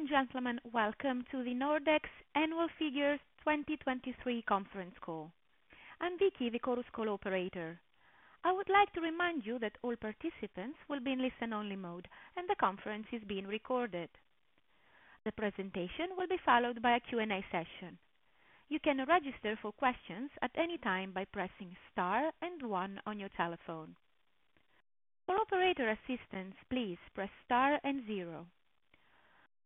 Ladies and gentlemen, welcome to the Nordex Annual Figures 2023 Conference Call. I'm Vicky, the Chorus Call operator. I would like to remind you that all participants will be in listen-only mode, and the conference is being recorded. The presentation will be followed by a Q&A session. You can register for questions at any time by pressing star and one on your telephone. For operator assistance, please press star and zero.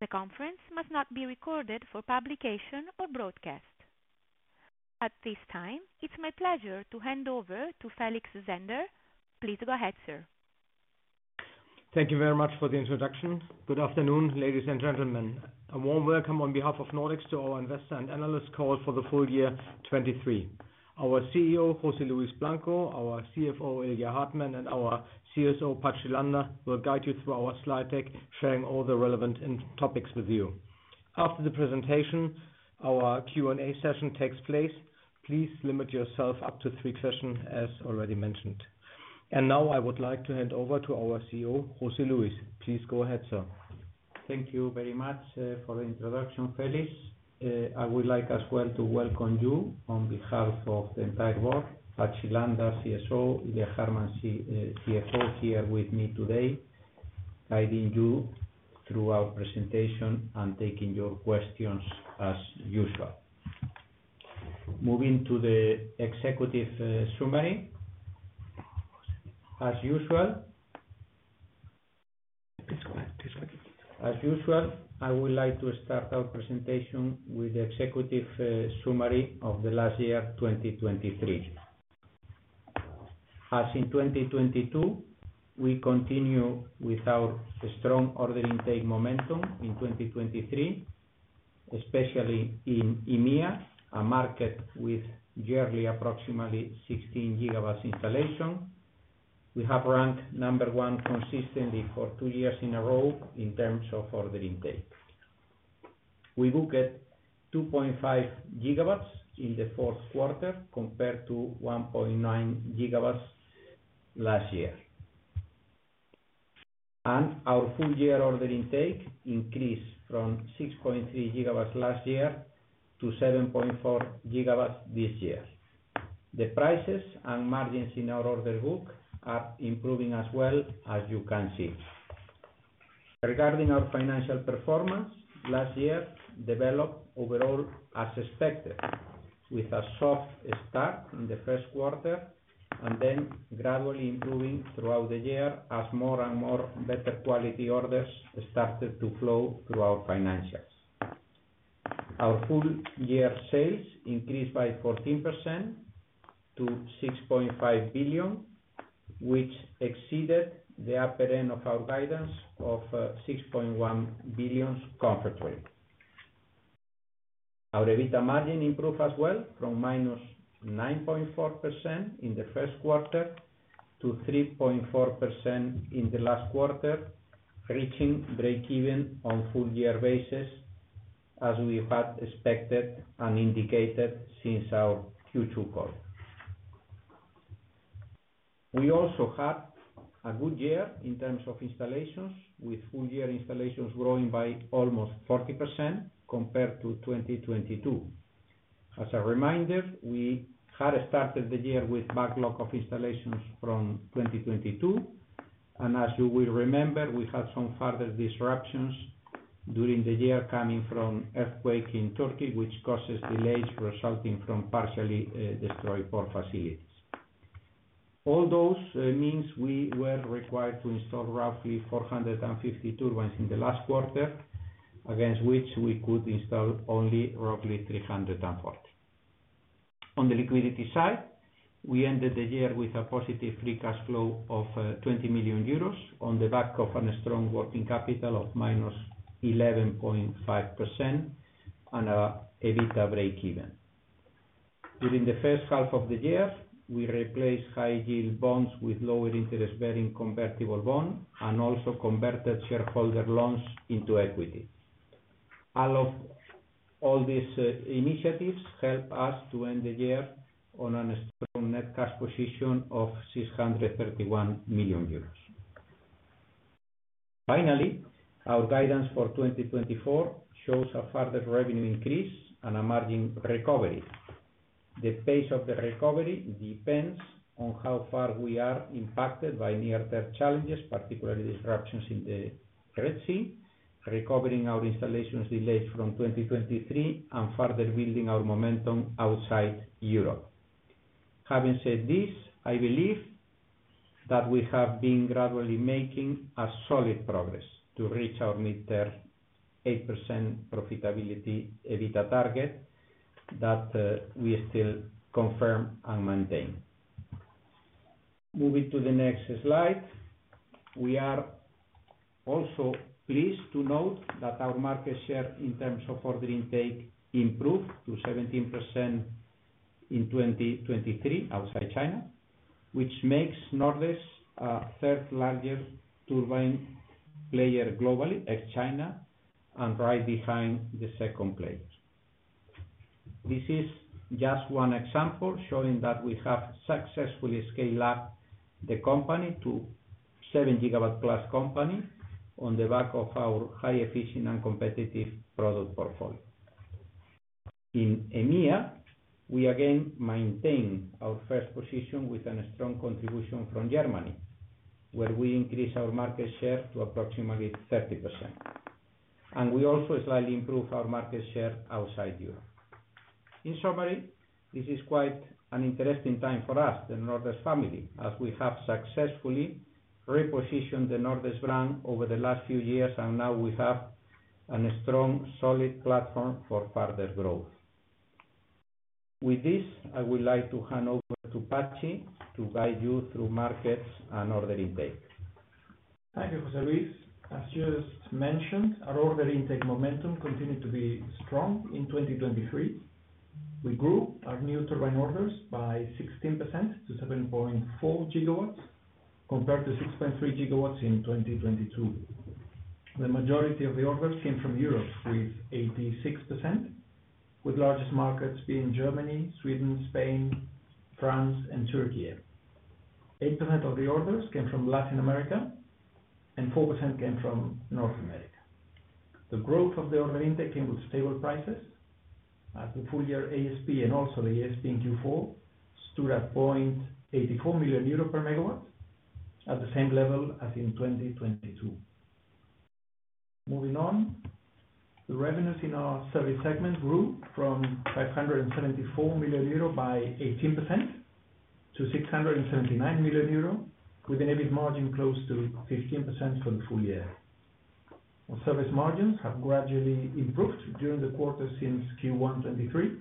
The conference must not be recorded for publication or broadcast. At this time, it's my pleasure to hand over to Felix Zander. Please go ahead, sir. Thank you very much for the introduction. Good afternoon, ladies and gentlemen. A warm welcome on behalf of Nordex to our investor and analyst call for the full year 2023. Our CEO, José Luis Blanco, our CFO, Ilya Hartmann, and our CSO, Patxi Landa, will guide you through our slide deck, sharing all the relevant in-topics with you. After the presentation, our Q&A session takes place. Please limit yourself up to three questions, as already mentioned. And now, I would like to hand over to our CEO, José Luis. Please go ahead, sir. Thank you very much for the introduction, Felix. I would like as well to welcome you on behalf of the entire board, Patxi Landa, CSO, Ilya Hartmann, CFO, here with me today, guiding you through our presentation and taking your questions as usual. Moving to the executive summary. As usual- Please go ahead, please go ahead. As usual, I would like to start our presentation with the executive summary of the last year, 2023. As in 2022, we continue with our strong order intake momentum in 2023, especially in EMEA, a market with yearly approximately 16 GW installation. We have ranked number one consistently for two years in a row in terms of order intake. We booked 2.5 GW in the Q4, compared to 1.9 GW last year. Our full year order intake increased from 6.3 GW last year to 7.4 GW this year. The prices and margins in our order book are improving as well, as you can see. Regarding our financial performance, last year developed overall as expected, with a soft start in the Q1, and then gradually improving throughout the year as more and more better quality orders started to flow through our financials. Our full-year sales increased by 14% to 6.5 billion, which exceeded the upper end of our guidance of 6.1 billion comfortably. Our EBITDA margin improved as well, from -9.4% in the Q1 to 3.4% in the last quarter, reaching breakeven on full-year basis, as we had expected and indicated since our Q2 call. We also had a good year in terms of installations, with full-year installations growing by almost 40% compared to 2022. As a reminder, we had started the year with backlog of installations from 2022, and as you will remember, we had some further disruptions during the year coming from earthquake in Turkey, which causes delays resulting from partially destroyed port facilities. All those means we were required to install roughly 450 turbines in the last quarter, against which we could install only roughly 340. On the liquidity side, we ended the year with a positive free cash flow of 20 million euros, on the back of a strong working capital of -11.5% and a EBITDA breakeven. During the first half of the year, we replaced high yield bonds with lower interest-bearing convertible bond, and also converted shareholder loans into equity. All these initiatives help us to end the year on a strong net cash position of 631 million euros. Finally, our guidance for 2024 shows a further revenue increase and a margin recovery. The pace of the recovery depends on how far we are impacted by near-term challenges, particularly disruptions in the Red Sea, recovering our installations delayed from 2023, and further building our momentum outside Europe. Having said this, I believe that we have been gradually making a solid progress to reach our mid-term 8% profitability EBITDA target, that we still confirm and maintain. Moving to the next slide. We are also pleased to note that our market share in terms of order intake improved to 17% in 2023, outside China, which makes Nordex the third largest turbine player globally ex-China, and right behind the second player. This is just one example showing that we have successfully scaled up the company to a 7 GW-plus company on the back of our high efficient and competitive product portfolio. In EMEA, we again maintain our first position with a strong contribution from Germany, where we increase our market share to approximately 30%, and we also slightly improve our market share outside Europe. In summary, this is quite an interesting time for us, the Nordex family, as we have successfully repositioned the Nordex brand over the last few years, and now we have a strong, solid platform for further growth. With this, I would like to hand over to Patxi to guide you through markets and order intake. Thank you, José Luis. As just mentioned, our order intake momentum continued to be strong in 2023. We grew our new turbine orders by 16% to 7.4 GW, compared to 6.3 GW in 2022. The majority of the orders came from Europe with 86%, with largest markets being Germany, Sweden, Spain, France, and Turkey. 8% of the orders came from Latin America, and 4% came from North America. The growth of the order intake came with stable prices, as the full year ASP and also the ASP in Q4 stood at 0.84 million euros per MW, at the same level as in 2022. Moving on, the revenues in our service segment grew from 574 million euro by 18% to 679 million euro, with an EBIT margin close to 15% for the full year. Our service margins have gradually improved during the quarter since Q1 2023,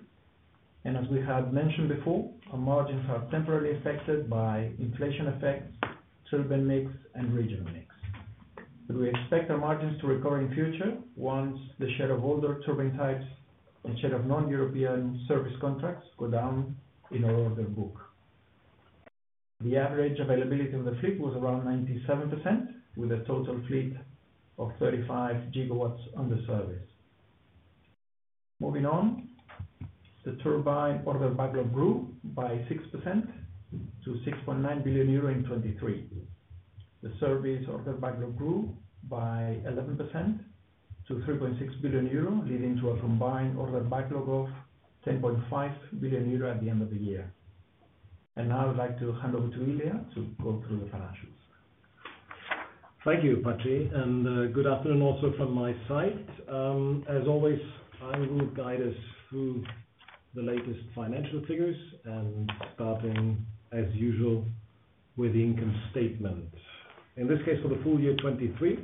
and as we had mentioned before, our margins are temporarily affected by inflation effects, turbine mix, and regional mix. We expect our margins to recover in future once the share of older turbine types and share of non-European service contracts go down in our order book. The average availability on the fleet was around 97%, with a total fleet of 35 GW under service. Moving on, the turbine order backlog grew by 6% to 6.9 billion euro in 2023. The service order backlog grew by 11% to 3.6 billion euro, leading to a combined order backlog of 10.5 billion euro at the end of the year. Now I'd like to hand over to Ilya to go through the financials. Thank you, Patxi, and good afternoon, also from my side. As always, I will guide us through the latest financial figures and starting, as usual, with the income statement. In this case, for the full year 2023,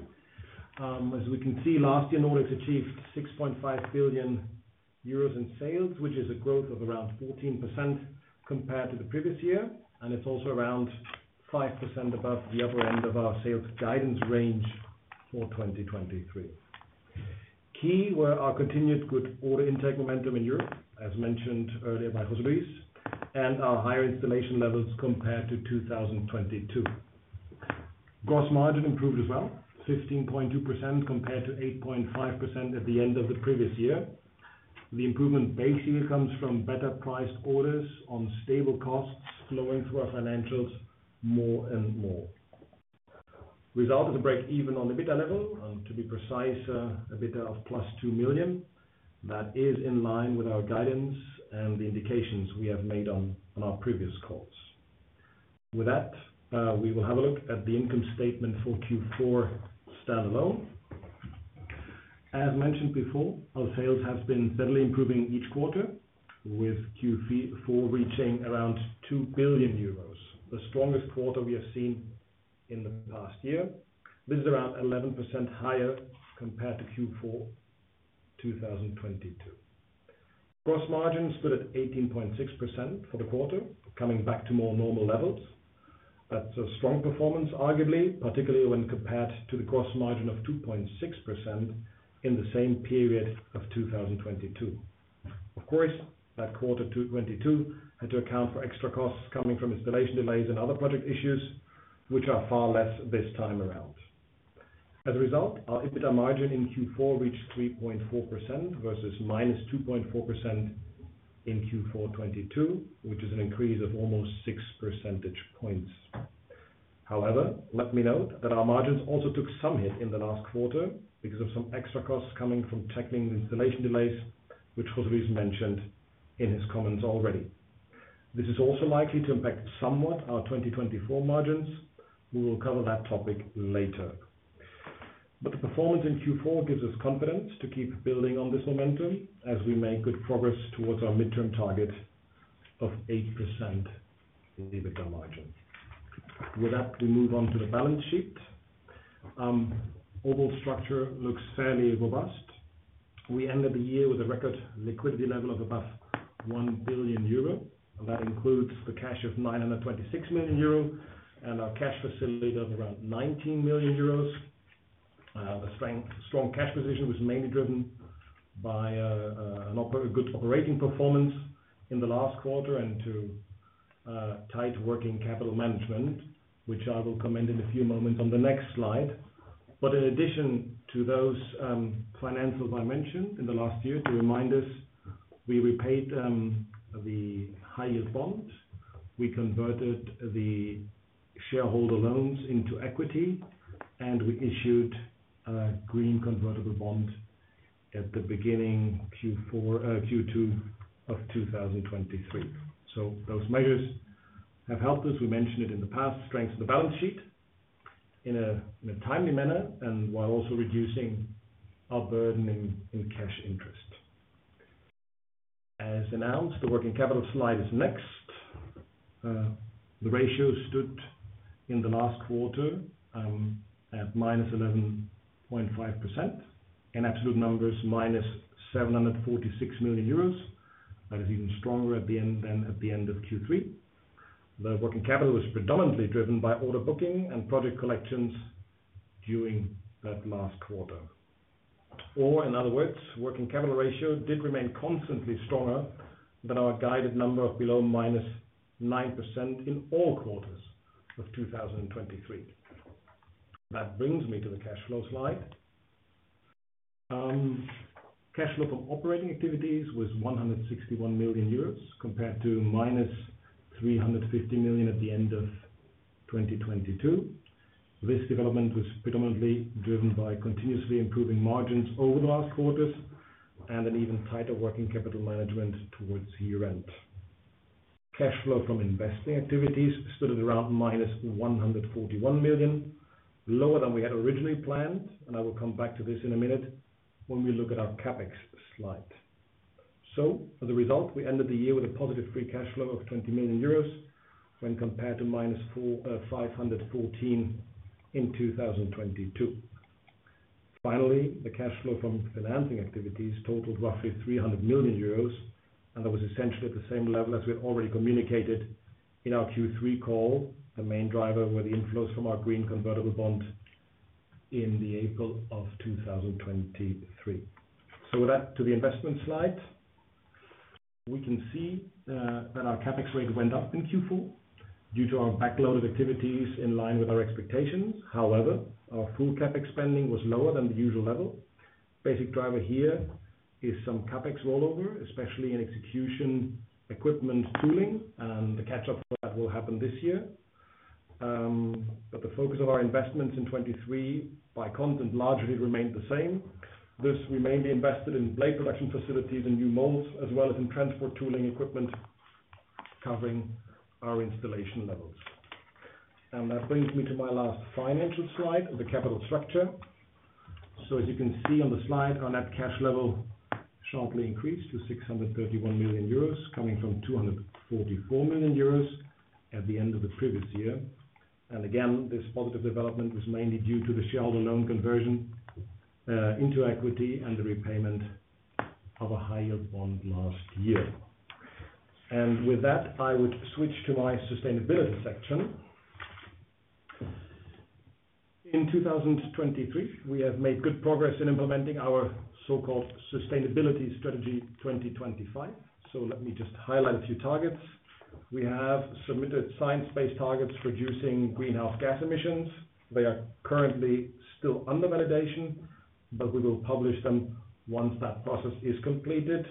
as we can see, last year, Nordex achieved 6.5 billion euros in sales, which is a growth of around 14% compared to the previous year, and it's also around 5% above the upper end of our sales guidance range for 2023. Key were our continued good order intake momentum in Europe, as mentioned earlier by José Luis, and our higher installation levels compared to 2022. Gross margin improved as well, 15.2% compared to 8.5% at the end of the previous year. The improvement basically comes from better priced orders on stable costs flowing through our financials more and more. Result is a break even on the EBITDA level, and to be precise, EBITDA of +2 million. That is in line with our guidance and the indications we have made on our previous calls. With that, we will have a look at the income statement for Q4 standalone. As mentioned before, our sales have been steadily improving each quarter, with Q4 reaching around 2 billion euros, the strongest quarter we have seen in the past year. This is around 11% higher compared to Q4 2022. Gross margin stood at 18.6% for the quarter, coming back to more normal levels. That's a strong performance, arguably, particularly when compared to the gross margin of 2.6% in the same period of 2022. Of course, that Q2 2022 had to account for extra costs coming from installation delays and other project issues, which are far less this time around. As a result, our EBITDA margin in Q4 reached 3.4% versus -2.4% in Q4 2022, which is an increase of almost six percentage points. However, let me note that our margins also took some hit in the last quarter because of some extra costs coming from tackling the installation delays, which José Luis mentioned in his comments already. This is also likely to impact somewhat our 2024 margins. We will cover that topic later. But the performance in Q4 gives us confidence to keep building on this momentum as we make good progress towards our midterm target of 8% in the EBITDA margin. With that, we move on to the balance sheet. Overall structure looks fairly robust. We ended the year with a record liquidity level of above 1 billion euro, and that includes the cash of 926 million euro and our cash facility of around 19 million euros. The strong, strong cash position was mainly driven by a good operating performance in the last quarter and tight working capital management, which I will comment in a few moments on the next slide. But in addition to those, financials I mentioned in the last year, to remind us, we repaid, the high yield bonds, we converted the shareholder loans into equity, and we issued a green convertible bond at the beginning Q4, Q2 of 2023. So those measures have helped us. We mentioned it in the past, strengthen the balance sheet in a, in a timely manner and while also reducing our burden in, in cash interest. As announced, the working capital slide is next. The ratio stood in the last quarter, at -11.5%. In absolute numbers, -746 million euros. That is even stronger at the end than at the end of Q3. The working capital was predominantly driven by order booking and project collections during that last quarter. Or in other words, working capital ratio did remain constantly stronger than our guided number of below -9% in all quarters of 2023. That brings me to the cash flow slide. Cash flow from operating activities was 161 million euros, compared to -350 million at the end of 2022. This development was predominantly driven by continuously improving margins over the last quarters, and an even tighter working capital management towards year-end. Cash flow from investing activities stood at around -141 million, lower than we had originally planned, and I will come back to this in a minute when we look at our CapEx slide. So as a result, we ended the year with a positive free cash flow of 20 million euros when compared to minus 451.4 million in 2022. Finally, the cash flow from financing activities totaled roughly 300 million euros, and that was essentially at the same level as we had already communicated in our Q3 call. The main driver were the inflows from our Green Convertible Bond in April of 2023. So with that, to the investment slide. We can see that our CapEx rate went up in Q4 due to our backlog of activities in line with our expectations. However, our full CapEx spending was lower than the usual level. Basic driver here is some CapEx rollover, especially in execution, equipment, tooling, and the catch-up for that will happen this year. But the focus of our investments in 2023, by content, largely remained the same. This we mainly invested in blade production facilities and new molds, as well as in transport tooling equipment, covering our installation levels. And that brings me to my last financial slide, the capital structure. So as you can see on the slide, our net cash level sharply increased to 631 million euros, coming from 244 million euros at the end of the previous year. And again, this positive development was mainly due to the shareholder loan conversion into equity and the repayment of a higher bond last year. And with that, I would switch to my sustainability section. In 2023, we have made good progress in implementing our so-called sustainability strategy 2025. So let me just highlight a few targets. We have submitted Science-Based Targets for reducing greenhouse gas emissions. They are currently still under validation, but we will publish them once that process is completed.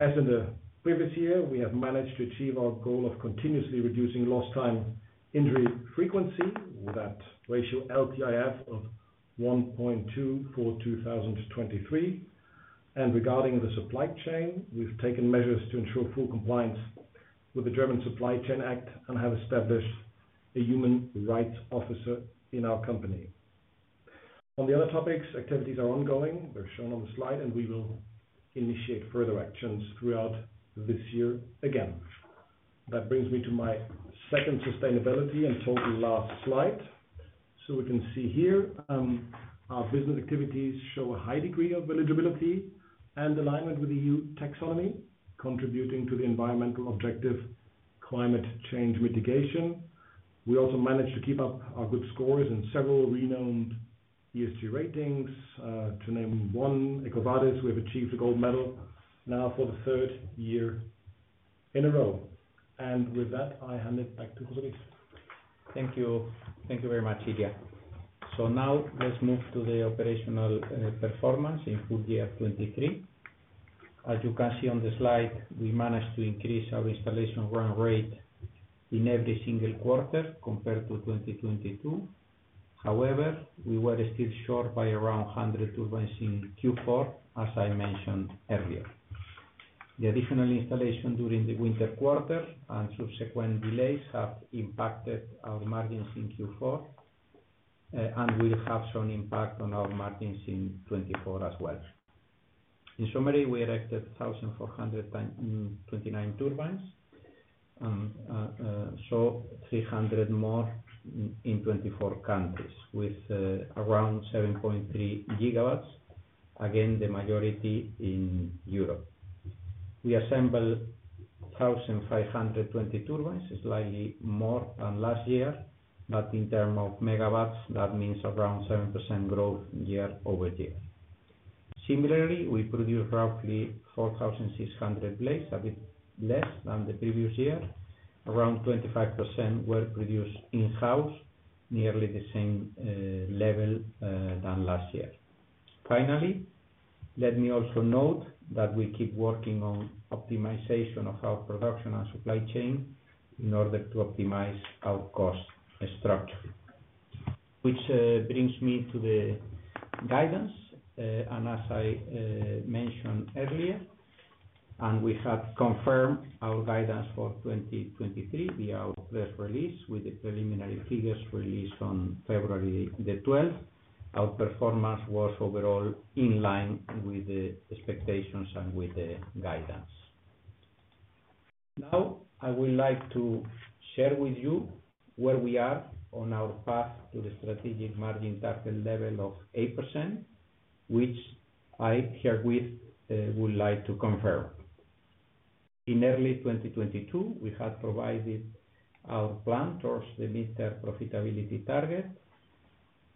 As in the previous year, we have managed to achieve our goal of continuously reducing lost time injury frequency, with that ratio LTIF of 1.2 for 2023. Regarding the supply chain, we've taken measures to ensure full compliance with the German Supply Chain Act and have established a human rights officer in our company. On the other topics, activities are ongoing. They're shown on the slide, and we will initiate further actions throughout this year again. That brings me to my second sustainability and total last slide. We can see here, our business activities show a high degree of eligibility and alignment with the EU Taxonomy, contributing to the environmental objective climate change mitigation. We also managed to keep up our good scores in several renowned ESG ratings. To name one, EcoVadis, we have achieved a gold medal now for the third year in a row. And with that, I hand it back to Luis. Thank you. Thank you very much, Ilya. So now let's move to the operational performance in full year 2023. As you can see on the slide, we managed to increase our installation run rate in every single quarter compared to 2022. However, we were still short by around 100 turbines in Q4, as I mentioned earlier. The additional installation during the winter quarter and subsequent delays have impacted our margins in Q4 and will have some impact on our margins in 2024 as well. In summary, we erected 1,429 turbines, so 300 more in 24 countries, with around 7.3 GW, again, the majority in Europe. We assembled 1,500 turbines, slightly more than last year, but in terms of MWs, that means around 7% growth year-over-year. Similarly, we produced roughly 4,600 blades, a bit less than the previous year. Around 25% were produced in-house, nearly the same level than last year. Finally, let me also note that we keep working on optimization of our production and supply chain in order to optimize our cost structure. Which brings me to the guidance, and as I mentioned earlier, and we have confirmed our guidance for 2023 via our press release, with the preliminary figures released on February the 12th, our performance was overall in line with the expectations and with the guidance. Now, I would like to share with you where we are on our path to the strategic margin target level of 8%, which I herewith would like to confirm. In early 2022, we had provided our plan towards the mid-term profitability target,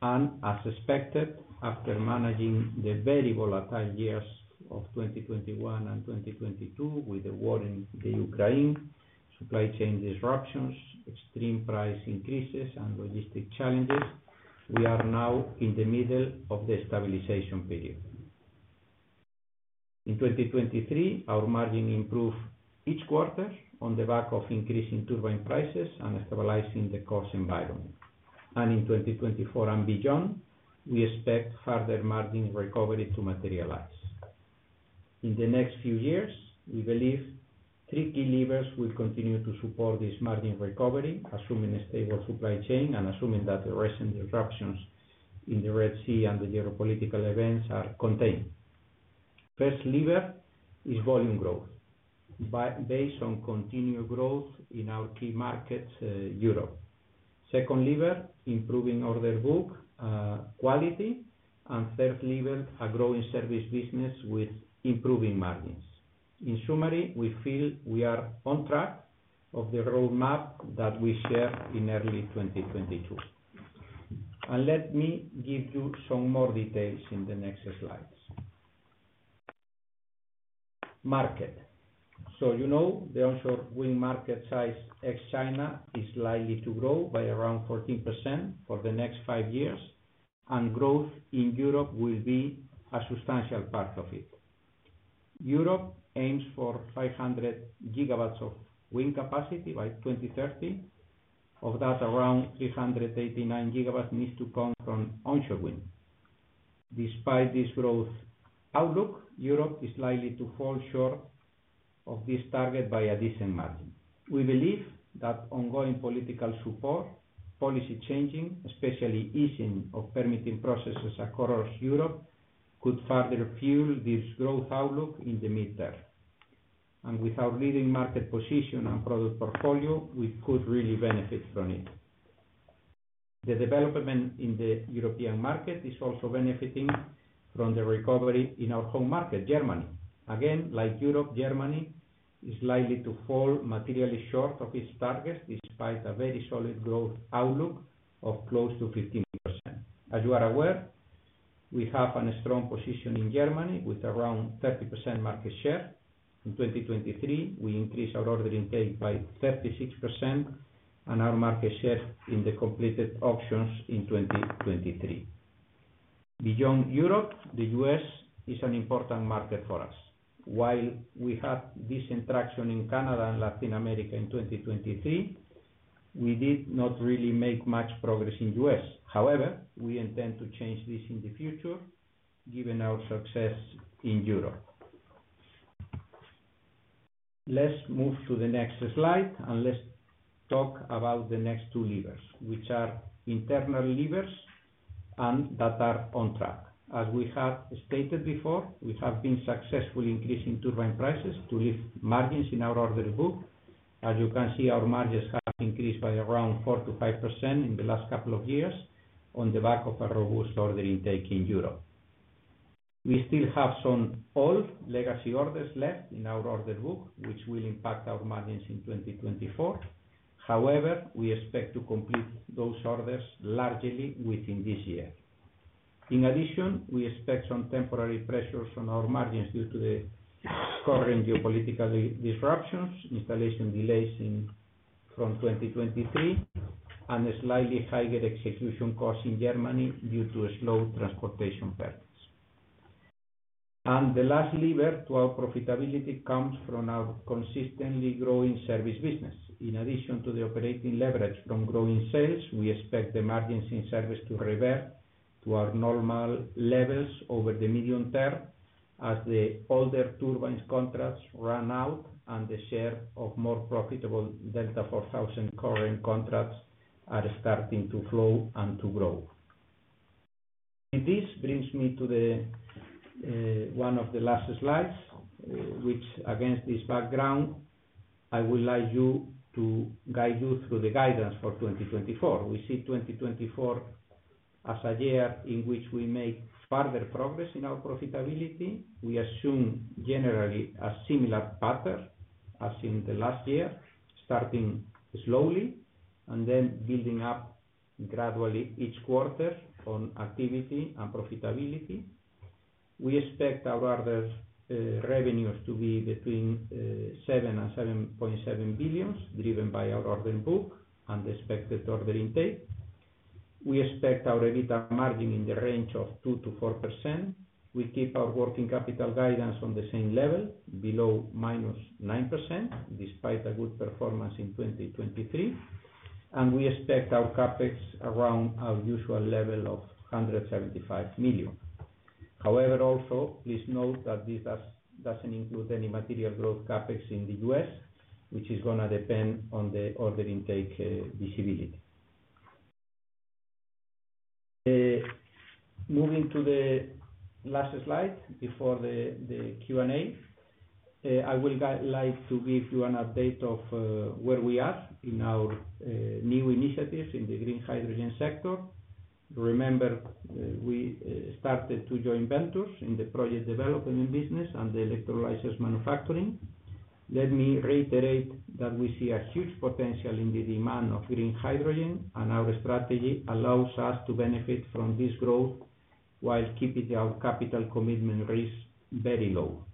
and as expected, after managing the very volatile years of 2021 and 2022, with the war in the Ukraine, supply chain disruptions, extreme price increases, and logistics challenges, we are now in the middle of the stabilization period. In 2023, our margin improved each quarter on the back of increasing turbine prices and stabilizing the cost environment. In 2024 and beyond, we expect further margin recovery to materialize. In the next few years, we believe three key levers will continue to support this margin recovery, assuming a stable supply chain and assuming that the recent disruptions in the Red Sea and the geopolitical events are contained. First lever is volume growth, based on continued growth in our key markets, Europe. Second lever, improving order book quality, and third lever, a growing service business with improving margins. In summary, we feel we are on track of the roadmap that we shared in early 2022. And let me give you some more details in the next slides. Market. So you know, the onshore wind market size, ex-China, is likely to grow by around 14% for the next five years, and growth in Europe will be a substantial part of it. Europe aims for 500 GW of wind capacity by 2030. Of that, around 389 GW needs to come from onshore wind. Despite this growth outlook, Europe is likely to fall short of this target by a decent margin. We believe that ongoing political support, policy changing, especially easing of permitting processes across Europe, could further fuel this growth outlook in the mid term. And with our leading market position and product portfolio, we could really benefit from it. The development in the European market is also benefiting from the recovery in our home market, Germany. Again, like Europe, Germany is likely to fall materially short of its target, despite a very solid growth outlook of close to 15%. As you are aware, we have a strong position in Germany with around 30% market share. In 2023, we increased our order intake by 36% and our market share in the completed auctions in 2023. Beyond Europe, the US is an important market for us. While we had decent traction in Canada and Latin America in 2023, we did not really make much progress in US However, we intend to change this in the future, given our success in Europe. Let's move to the next slide, and let's talk about the next two levers, which are internal levers and that are on track. As we have stated before, we have been successfully increasing turbine prices to lift margins in our order book. As you can see, our margins have increased by around 4% to 5% in the last couple of years on the back of a robust order intake in Europe. We still have some old legacy orders left in our order book, which will impact our margins in 2024. However, we expect to complete those orders largely within this year. In addition, we expect some temporary pressures on our margins due to the current geopolitical disruptions, installation delays from 2023, and a slightly higher execution cost in Germany due to slow transportation patterns. The last lever to our profitability comes from our consistently growing service business. In addition to the operating leverage from growing sales, we expect the margins in service to revert to our normal levels over the medium term, as the older turbines contracts run out, and the share of more profitable Delta4000 current contracts are starting to flow and to grow. This brings me to the one of the last slides, which against this background, I would like you to guide you through the guidance for 2024. We see 2024 as a year in which we make further progress in our profitability. We assume generally a similar pattern as in the last year, starting slowly and then building up gradually each quarter on activity and profitability. We expect our orders, revenues to be between 7 billion and 7.7 billion, driven by our order book and the expected order intake. We expect our EBITDA margin in the range of 2% to 4%. We keep our working capital guidance on the same level, below -9%, despite a good performance in 2023, and we expect our CapEx around our usual level of 175 million. However, also, please note that this doesn't include any material growth CapEx in the US, which is gonna depend on the order intake, visibility. Moving to the last slide before the Q&A. I like to give you an update of where we are in our new initiatives in the green hydrogen sector. Remember, we started two joint ventures in the project development business and the electrolysis manufacturing. Let me reiterate that we see a huge potential in the demand of green hydrogen, and our strategy allows us to benefit from this growth while keeping our capital commitment risk very low.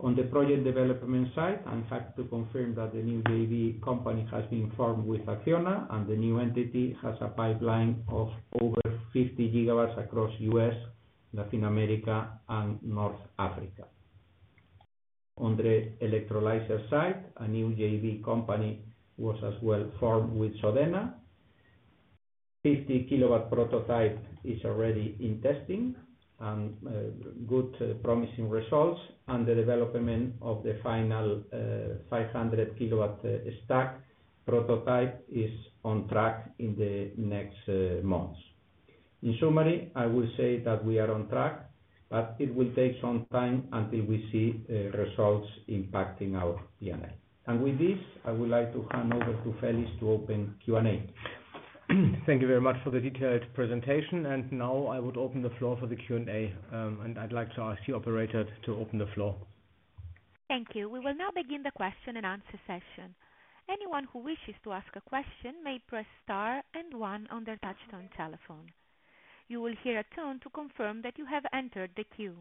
On the project development side, I'm happy to confirm that the new JV company has been formed with Acciona, and the new entity has a pipeline of over 50 GW across US, Latin America, and North Africa. On the electrolysis side, a new JV company was as well formed with Sodena. 50-kW prototype is already in testing, and good promising results, and the development of the final 500-kW stack prototype is on track in the next months. In summary, I will say that we are on track, but it will take some time until we see results impacting our P&L. And with this, I would like to hand over to Felix to open Q&A. Thank you very much for the detailed presentation. Now I would open the floor for the Q&A. I'd like to ask the operator to open the floor. Thank you. We will now begin the question and answer session. Anyone who wishes to ask a question may press star and one on their touchtone telephone. You will hear a tone to confirm that you have entered the queue.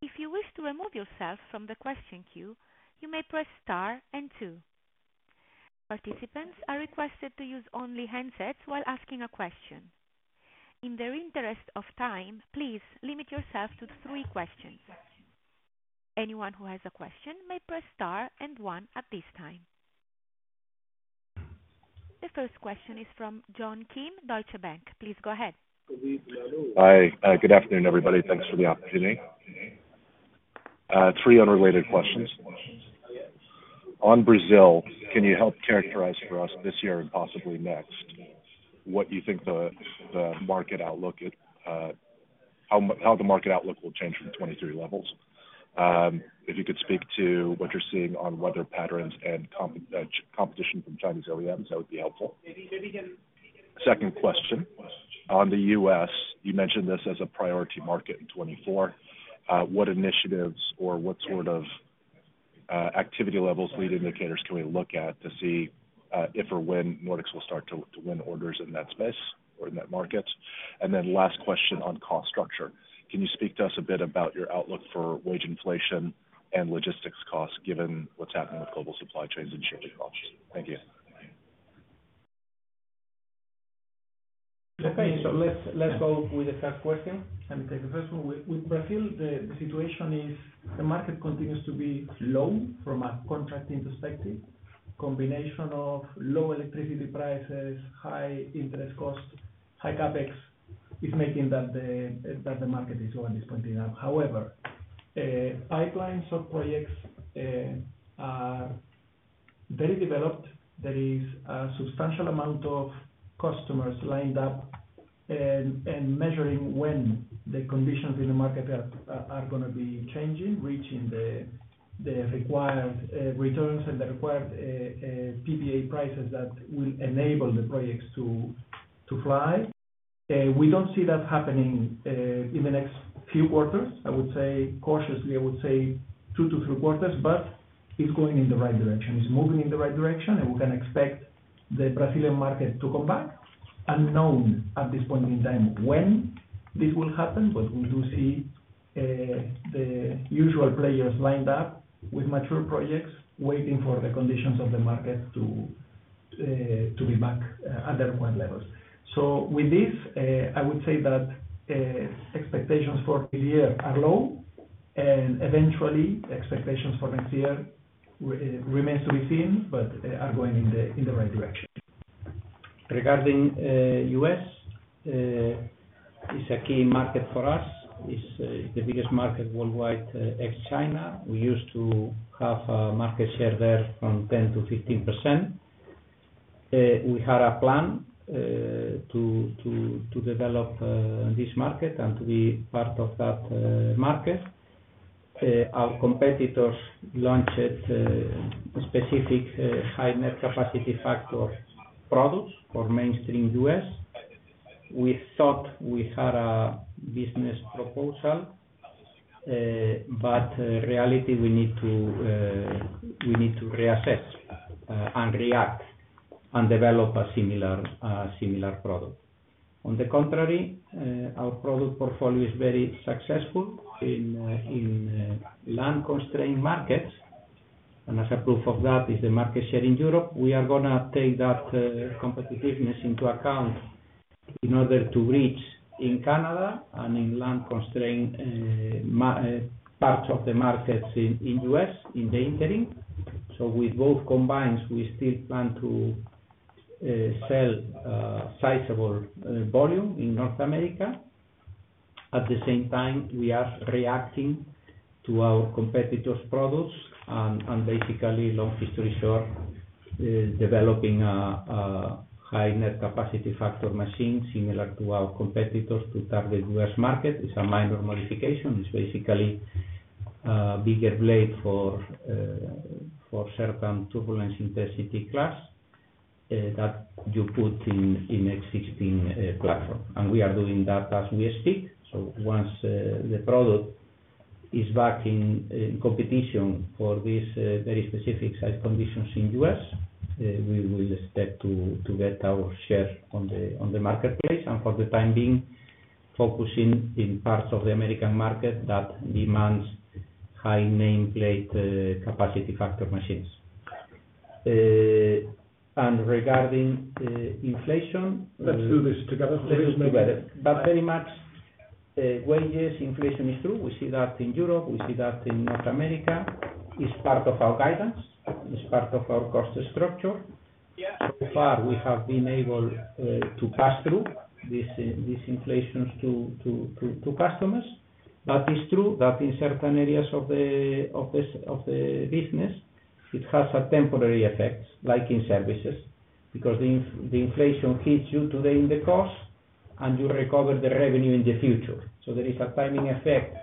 If you wish to remove yourself from the question queue, you may press star and two. Participants are requested to use only handsets while asking a question. In the interest of time, please limit yourself to three questions. Anyone who has a question may press star and one at this time. The first question is from John Kim, Deutsche Bank. Please go ahead. Hi, good afternoon, everybody. Thanks for the opportunity. Three unrelated questions. On Brazil, can you help characterize for us this year and possibly next, what you think the market outlook how the market outlook will change from 2023 levels? If you could speak to what you're seeing on weather patterns and comp, competition from Chinese OEMs, that would be helpful. Second question: on the US, you mentioned this as a priority market in 2024. What initiatives or what sort of, activity levels, lead indicators can we look at to see, if or when Nordex will start to win orders in that space or in that market? Last question on cost structure: can you speak to us a bit about your outlook for wage inflation and logistics costs, given what's happening with global supply chains and shipping costs? Thank you. Okay, so let's go with the first question. Let me take the first one. With Brazil, the situation is the market continues to be low from a contracting perspective. Combination of low electricity prices, high interest costs, high CapEx, is making that the market is low at this point in time. However, pipelines of projects are very developed. There is a substantial amount of customers lined up and measuring when the conditions in the market are gonna be changing, reaching the required returns and the required PPA prices that will enable the projects to fly. We don't see that happening in the next few quarters. I would say cautiously, I would say 2 to 3 quarters, but it's going in the right direction. It's moving in the right direction, and we can expect the Brazilian market to come back. Unknown at this point in time, when this will happen, but we do see the usual players lined up with mature projects, waiting for the conditions of the market to be back at their point levels. So with this, I would say that expectations for this year are low, and eventually, expectations for next year remains to be seen, but are going in the right direction. Regarding US, it's a key market for us. It's the biggest market worldwide, ex-China. We used to have a market share there from 10% to 15%. We had a plan to develop this market and to be part of that market. Our competitors launched specific high Net Capacity Factor products for mainstream US We thought we had a business proposal, but reality, we need to we need to reassess and react and develop a similar similar product. On the contrary, our product portfolio is very successful in in land-constrained markets. And as a proof of that, is the market share in Europe, we are gonna take that competitiveness into account in order to reach in Canada and in land-constrained parts of the markets in in US, in the interim. So with both combined, we still plan to sell sizable volume in North America. At the same time, we are reacting to our competitors' products and basically, long story short, developing a high net capacity factor machine similar to our competitors to target US market. It's a minor modification. It's basically bigger blade for certain turbulence intensity class that you put in N163 platform. And we are doing that as we speak. So once the product is back in competition for this very specific site conditions in US, we will expect to get our share on the marketplace, and for the time being, focusing in parts of the American market that demands high nameplate capacity factor machines. And regarding inflation- Let's do this together. Let's do together. But very much, wages inflation is true. We see that in Europe, we see that in North America. It's part of our guidance, it's part of our cost structure. So far, we have been able to pass through this inflation to customers. But it's true that in certain areas of the business, it has a temporary effect, like in services, because the inflation hits you today in the cost, and you recover the revenue in the future. So there is a timing effect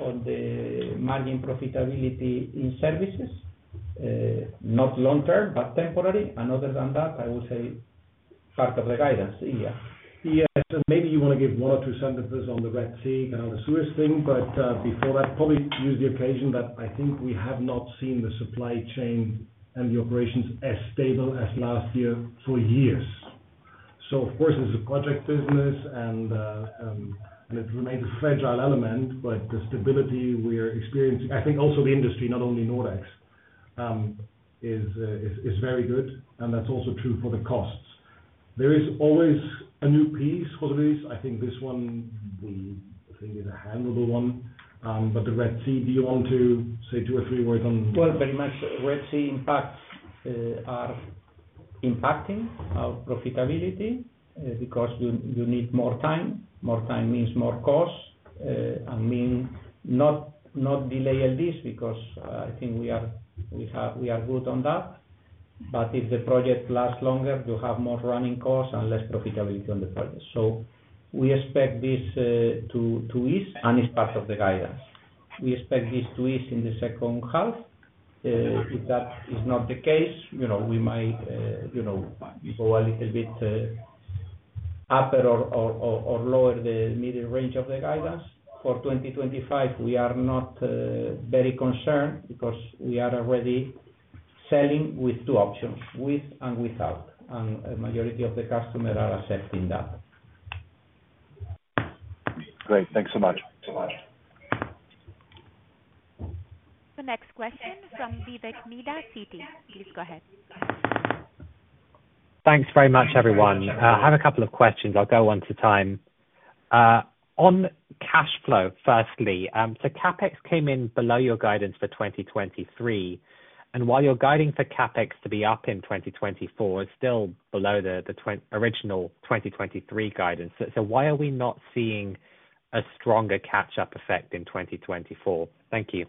on the margin profitability in services, not long term, but temporary. And other than that, I would say part of the guidance. Yeah. Yes, and maybe you wanna give one or two sentences on the Red Sea and on the Suez thing, but before that, probably use the occasion, but I think we have not seen the supply chain and the operations as stable as last year, for years. So of course, this is a project business and it remains a fragile element, but the stability we are experiencing. I think also the industry, not only Nordex, is very good, and that's also true for the costs. There is always a new piece, José. I think this one, we think, is a handleable one. But the Red Sea, do you want to say two or three words on? Well, very much Red Sea impacts are impacting our profitability because you need more time. More time means more cost, and means not delay at least, because I think we are good on that. But if the project lasts longer, you have more running costs and less profitability on the project. So we expect this to ease, and it's part of the guidance. We expect this to ease in the second half. If that is not the case, you know, we might go a little bit upper or lower the middle range of the guidance. For 2025, we are not very concerned because we are already selling with two options, with and without, and a majority of the customers are accepting that. Great. Thanks so much. The next question from Vivek Midha, Citi. Please go ahead. Thanks very much, everyone. I have a couple of questions. I'll go one at a time. On cash flow, firstly, so CapEx came in below your guidance for 2023, and while you're guiding for CapEx to be up in 2024, it's still below the original 2023 guidance. So why are we not seeing a stronger catch-up effect in 2024? Thank you.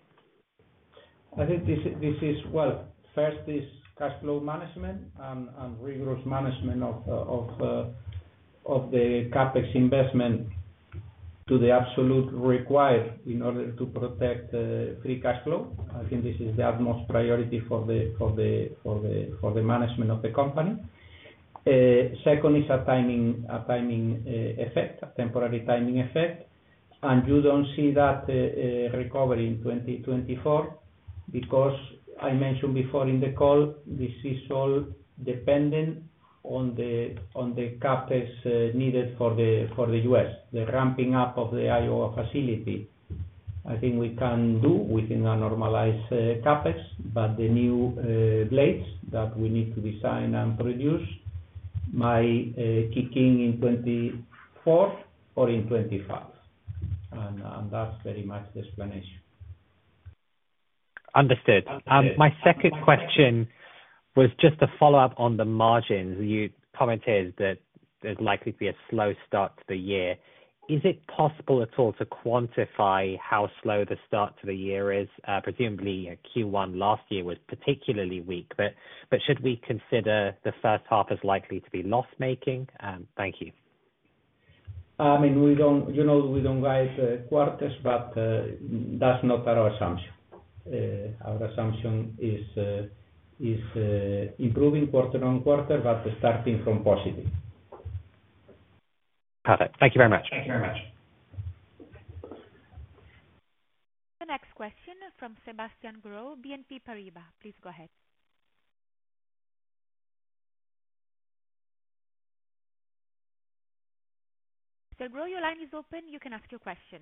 I think this, this is—well, first is cash flow management and, and rigorous management of, of, of the CapEx investment to the absolute required in order to protect, free cash flow. I think this is the utmost priority for the management of the company. Second is a timing effect, a temporary timing effect. And you don't see that recovery in 2024, because I mentioned before in the call, this is all dependent on the CapEx needed for the US, the ramping up of the Iowa facility. I think we can do within a normalized CapEx, but the new blades that we need to design and produce may kick in in 2024 or in 2025. And that's very much the explanation. Understood. Understood. My second question was just to follow up on the margins. You commented that there's likely to be a slow start to the year. Is it possible at all to quantify how slow the start to the year is? Presumably, Q1 last year was particularly weak, but should we consider the first half as likely to be loss-making? Thank you.... I mean, we don't, you know, we don't guide quarters, but that's not our assumption. Our assumption is improving quarter on quarter, but starting from positive. Perfect. Thank you very much. Thank you very much. The next question from Sebastian Growe, BNP Paribas. Please go ahead. Sebastian Growe, your line is open, you can ask your question.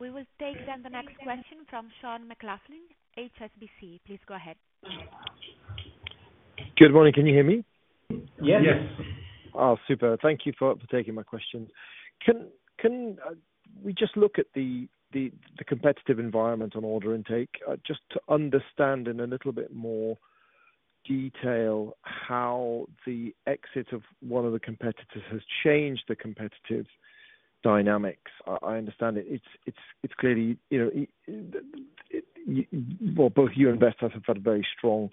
We will take then the next question from Sean McLaughlin, HSBC. Please go ahead. Good morning. Can you hear me? Yes. Oh, super. Thank you for taking my question. Can we just look at the competitive environment on order intake just to understand in a little bit more detail how the exit of one of the competitors has changed the competitive dynamics? I understand it's clearly, you know, well, both you and Vestas have had a very strong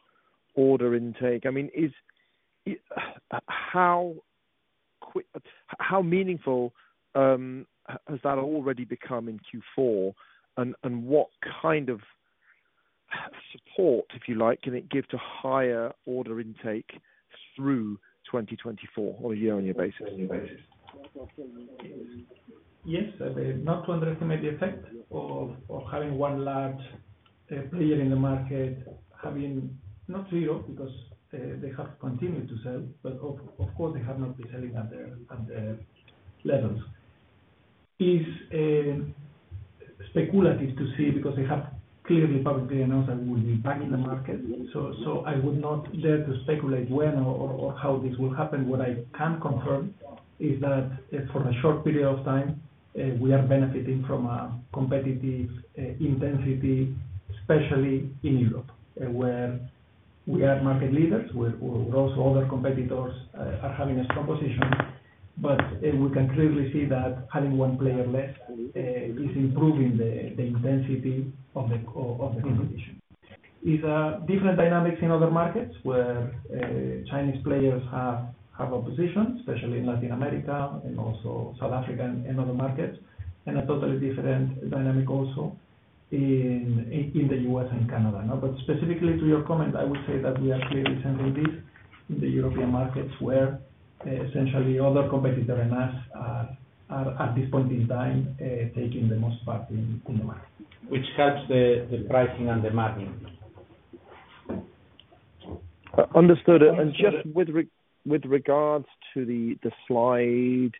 order intake. I mean, how meaningful has that already become in Q4? And what kind of support, if you like, can it give to higher order intake through 2024 on a year-on-year basis? Yes, not to underestimate the effect of having one large player in the market, having not zero, because they have continued to sell, but of course, they have not been selling at the levels. It's speculative to say, because they have clearly publicly announced that we'll be back in the market. So I would not dare to speculate when or how this will happen. What I can confirm is that for a short period of time we are benefiting from a competitive intensity, especially in Europe, where we are market leaders, where also other competitors are having a strong position. But we can clearly see that having one player less is improving the intensity of the competition. It's different dynamics in other markets, where Chinese players have a position, especially in Latin America and also South Africa and other markets, and a totally different dynamic also in the US and Canada, you know? But specifically to your comment, I would say that we are clearly seeing this in the European markets where, essentially other competitor and us are at this point in time taking the most part in the market. Which helps the pricing and the margin. Understood. And just with regards to the slide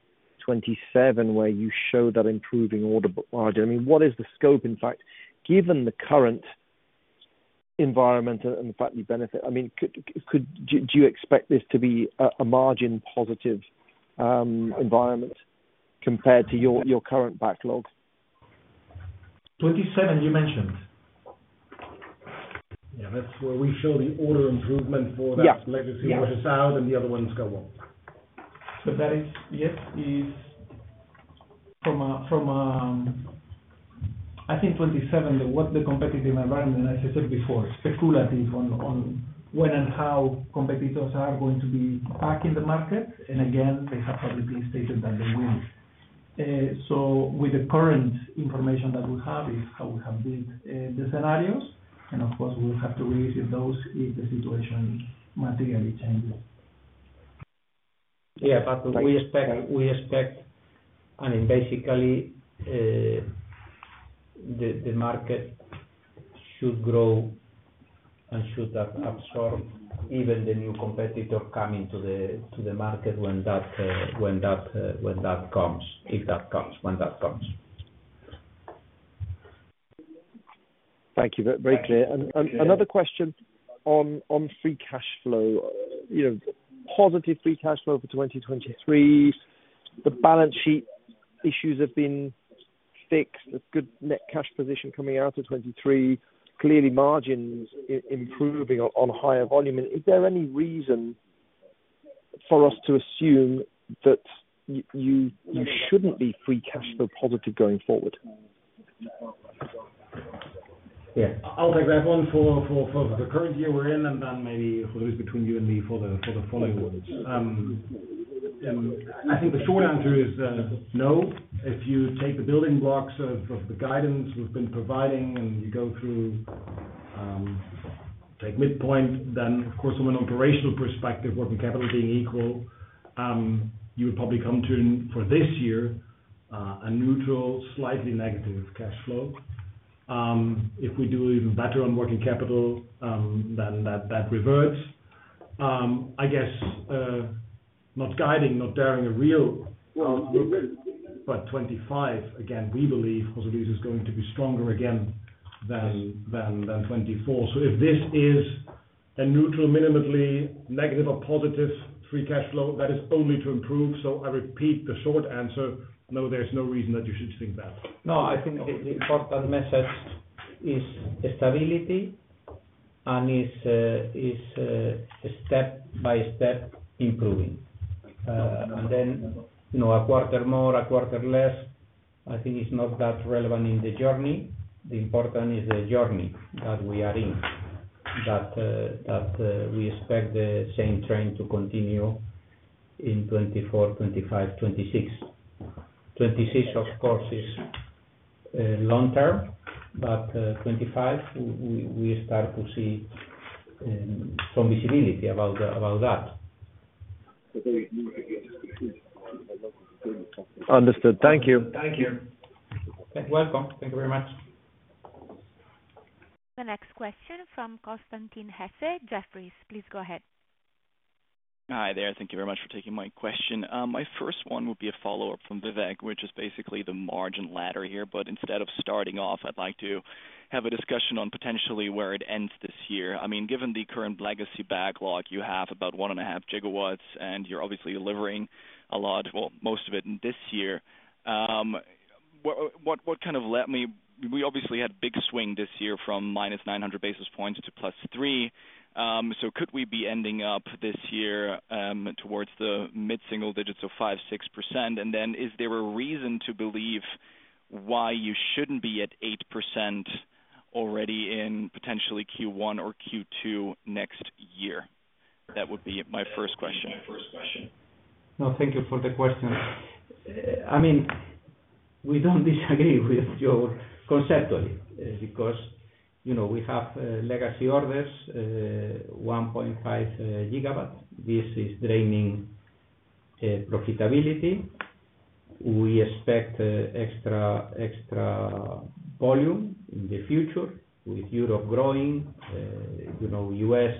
27, where you show that improving order backlog, I mean, what is the scope, in fact, given the current environment and the fact you benefit, I mean, could you expect this to be a margin positive environment compared to your current backlog? 27, you mentioned? Yeah, that's where we show the order improvement for that legacy orders out, and the other ones go up. So that is... Yes, is from, from, I think 27, what the competitive environment, and as I said before, speculative on, on when and how competitors are going to be back in the market. And again, they have probably been stated that they will. So with the current information that we have, is how we have built, the scenarios, and of course, we will have to revisit those if the situation materially changes. Yeah, but we expect, I mean, basically, the market should grow and should have absorbed even the new competitor coming to the market when that comes, if that comes, when that comes. Thank you. That's very clear. And another question on free cash flow. You know, positive free cash flow for 2023, the balance sheet issues have been fixed, a good net cash position coming out of 2023. Clearly, margins improving on higher volume. Is there any reason for us to assume that you shouldn't be free cash flow positive going forward? Yeah. I'll take that one for the current year we're in, and then maybe, Luis, between you and me for the following ones. I think the short answer is no. If you take the building blocks of the guidance we've been providing, and you go through, take midpoint, then of course, from an operational perspective, working capital being equal, you would probably come to, for this year, a neutral, slightly negative cash flow. If we do even better on working capital, then that reverts. I guess, not guiding, not daring a real- Well, we- But 2025, again, we believe business is going to be stronger again than 2024. So if this is a neutral, minimally negative or positive free cash flow, that is only to improve. So I repeat the short answer, no, there's no reason that you should think that. No, I think the important message is stability and is step by step improving. And then, you know, a quarter more, a quarter less, I think it's not that relevant in the journey. The important is the journey that we are in, that we expect the same trend to continue in 2024, 2025, 2026. 2026, of course, is long term, but 2025, we start to see some visibility about that. Understood. Thank you. Thank you. You're welcome. Thank you very much. The next question from Constantin Hesse, Jefferies. Please go ahead. Hi there. Thank you very much for taking my question. My first one will be a follow-up from Vivek, which is basically the margin ladder here, but instead of starting off, I'd like to have a discussion on potentially where it ends this year. I mean, given the current legacy backlog, you have about 1.5 GW, and you're obviously delivering a lot, well, most of it this year. We obviously had big swing this year from -900 basis points to +3. So could we be ending up this year, towards the mid-single digits of 5%, 6%? And then is there a reason to believe why you shouldn't be at 8% already in potentially Q1 or Q2 next year? That would be my first question. No, thank you for the question. I mean, we don't disagree with you conceptually, because, you know, we have, legacy orders, 1.5 GW. This is draining, profitability. We expect, extra, extra volume in the future with Europe growing, you know, US,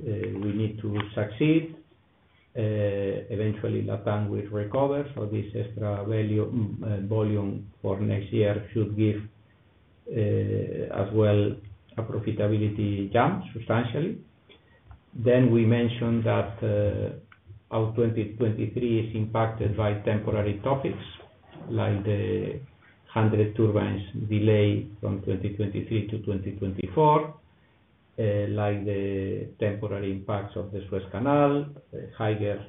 we need to succeed. Eventually, Latin will recover, so this extra value, volume for next year should give, as well, a profitability jump substantially. Then we mentioned that, our 2023 is impacted by temporary topics, like the 100 turbines delay from 2023 to 2024, like the temporary impacts of the Suez Canal, higher,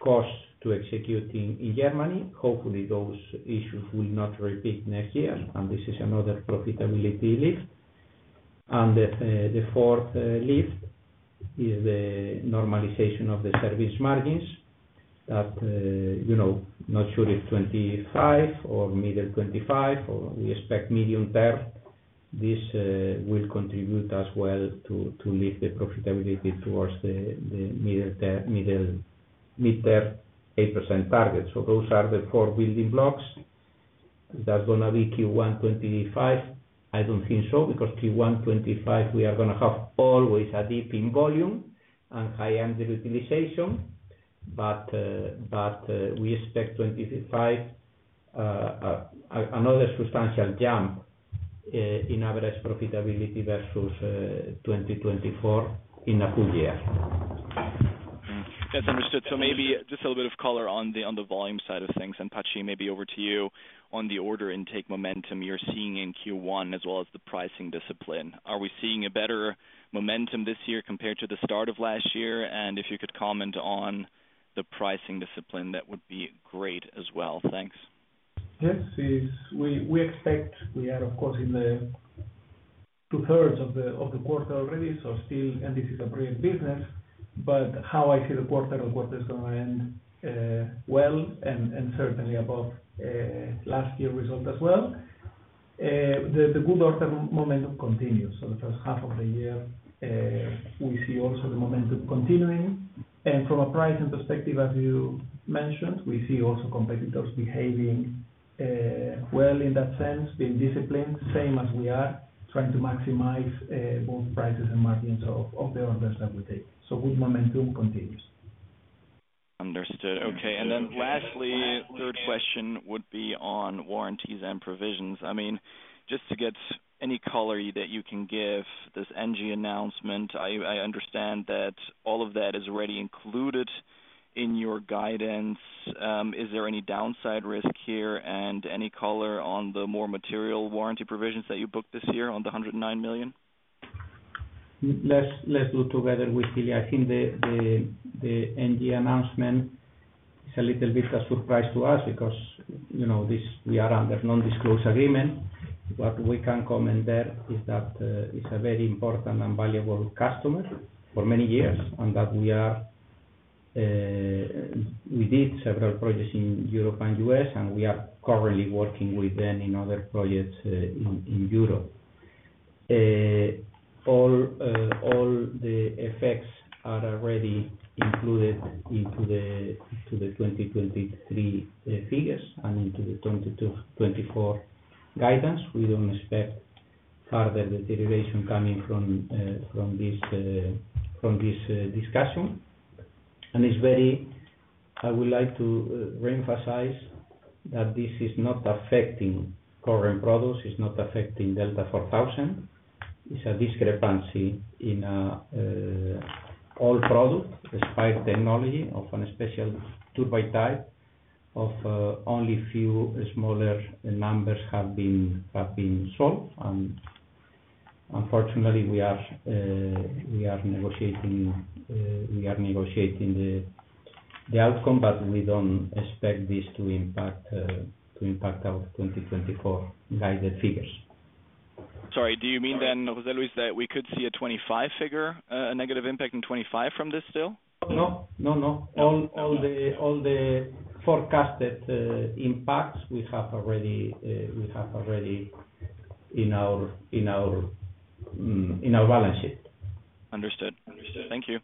costs to executing in Germany. Hopefully, those issues will not repeat next year, and this is another profitability lift. And the fourth lift is the normalization of the service margins that, you know, not sure if 25 or mid-25, or we expect medium term, this will contribute as well to lift the profitability towards the mid term, middle, mid-term 8% target. So those are the four building blocks. That's gonna be Q1 2025? I don't think so, because Q1 2025, we are gonna have always a dip in volume and high annual utilization. But, we expect 2025 another substantial jump in average profitability versus 2024 in a full year. That's understood. So maybe just a little bit of color on the volume side of things, and Patxi, maybe over to you on the order intake momentum you're seeing in Q1 as well as the pricing discipline. Are we seeing a better momentum this year compared to the start of last year? And if you could comment on the pricing discipline, that would be great as well. Thanks. Yes, as we expect we are, of course, in the two-thirds of the quarter already, so still, and this is a great business. But how I see the quarter, the quarter is gonna end well and certainly above last year's result as well. The good order momentum continues for the first half of the year; we see also the momentum continuing. And from a pricing perspective, as you mentioned, we see also competitors behaving well in that sense, being disciplined, same as we are, trying to maximize both prices and margins of the orders that we take. So good momentum continues. Understood. Okay. And then lastly, third question would be on warranties and provisions. I mean, just to get any color that you can give, this Engie announcement, I, I understand that all of that is already included in your guidance. Is there any downside risk here, and any color on the more material warranty provisions that you booked this year on the 109 million? Let's do together with chili. I think the Engie announcement is a little bit a surprise to us because we are under non-disclosure agreement. What we can comment there is that it's a very important and valuable customer for many years, and that we did several projects in Europe and US, and we are currently working with them in other projects in Europe. All the effects are already included into the 2023 figures and into the 2024 guidance. We don't expect further deterioration coming from this discussion. And it's very... I would like to reemphasize that this is not affecting current products, it's not affecting Delta4000. It's a discrepancy in old product, despite technology, of a special turbine type of only few smaller numbers have been sold, and unfortunately, we are negotiating the outcome, but we don't expect this to impact our 2024 guided figures. Sorry, do you mean then, José Luis, that we could see a 25 figure, a negative impact in 2025 from this still? No, no, no. All the forecasted impacts we have already in our balance sheet. Understood. Thank you.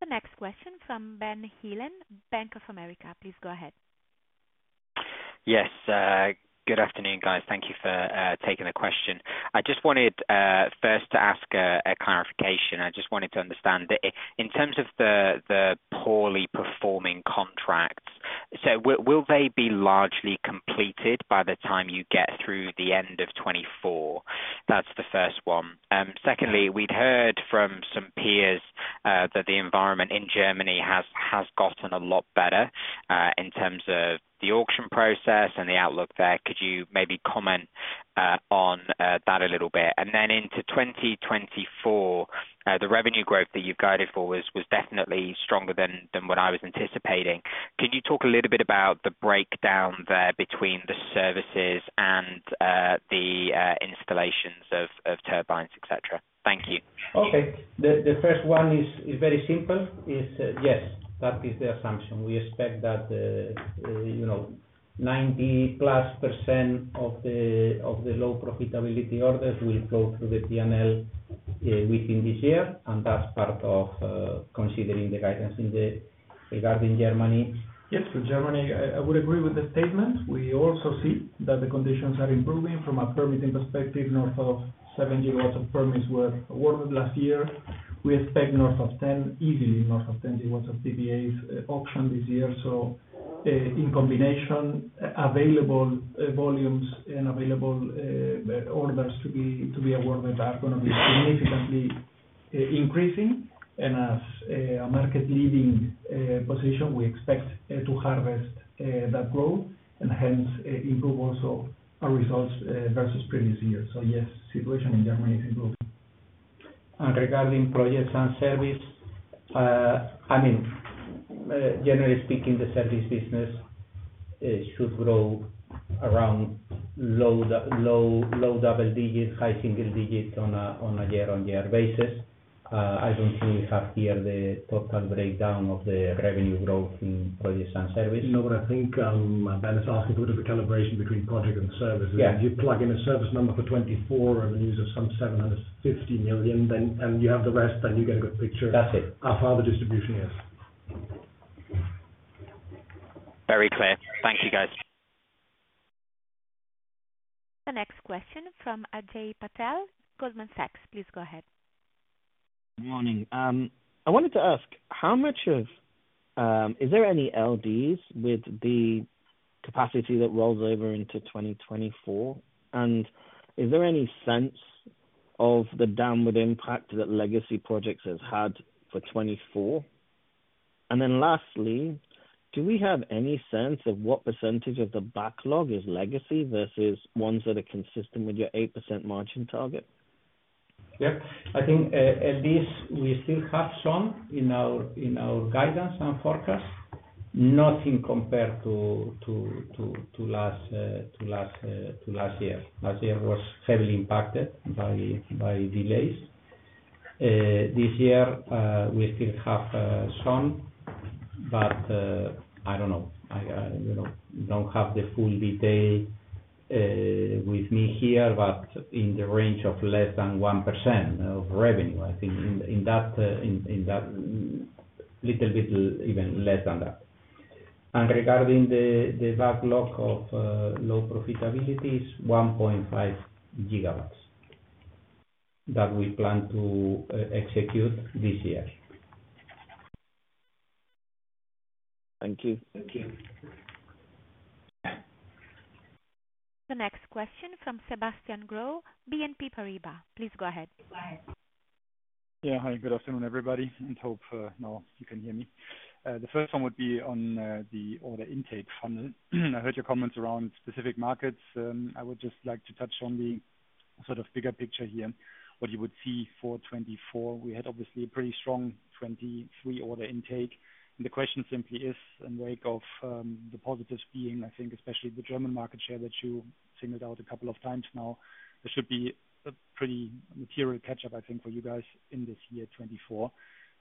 The next question from Ben Heelan, Bank of America, please go ahead. Yes, good afternoon, guys. Thank you for taking the question. I just wanted first to ask a clarification. I just wanted to understand that in terms of the poorly performing contracts, so will they be largely completed by the time you get through the end of 2024? That's the first one. Secondly, we'd heard from some peers that the environment in Germany has gotten a lot better in terms of the auction process and the outlook there. Could you maybe comment on that a little bit? And then into 2024, the revenue growth that you've guided for was definitely stronger than what I was anticipating. Could you talk a little bit about the breakdown there between the services and the installations of turbines, et cetera? Thank you. Okay. The first one is very simple, yes, that is the assumption. We expect that, you know, 90%+ of the low profitability orders will go through the P&L within this year, and that's part of considering the guidance in the-- regarding Germany. Yes, for Germany, I would agree with the statement. We also see that the conditions are improving from a permitting perspective, north of 70 GW of permits were awarded last year. We expect north of 10, easily north of 10 GW of PPAs auction this year. So, in combination, available volumes and available orders to be awarded are gonna be significantly increasing. And as a market-leading position, we expect to harvest that growth and hence improve also our results versus previous years. So yes, situation in Germany is improving. Regarding projects and service, I mean, generally speaking, the service business should grow around low double digits, high single digits on a year-on-year basis. I don't think we have here the total breakdown of the revenue growth in projects and service. You know what I think, Ben, is asking for the calibration between project and services. Yeah. If you plug in a service number for 2024 and use of some 750 million, then, and you have the rest, then you get a good picture- That's it... of how the distribution is. Very clear. Thank you, guys. The next question from Ajay Patel, Goldman Sachs. Please go ahead. Good morning. I wanted to ask, how much of Is there any LDs with the capacity that rolls over into 2024? Is there any sense of the downward impact that legacy projects has had for 2024? Lastly, do we have any sense of what percentage of the backlog is legacy versus ones that are consistent with your 8% margin target? Yeah. I think, at least we still have some in our, in our guidance and forecast. Nothing compared to last year. Last year was heavily impacted by delays. This year, we still have some, but I don't know. I you know don't have the full detail with me here, but in the range of less than 1% of revenue. I think in that little bit, even less than that. And regarding the backlog of low profitability, is 1.5 GW that we plan to execute this year. Thank you. Thank you. The next question from Sebastian Growe, BNP Paribas. Please go ahead. Yeah. Hi, good afternoon, everybody, and hope now you can hear me. The first one would be on the order intake funnel. I heard your comments around specific markets. I would just like to touch on the sort of bigger picture here, what you would see for 2024. We had obviously a pretty strong 2023 order intake. And the question simply is, in wake of the positives being, I think, especially the German market share, that you singled out a couple of times now, there should be a pretty material catch-up, I think, for you guys in this year, 2024.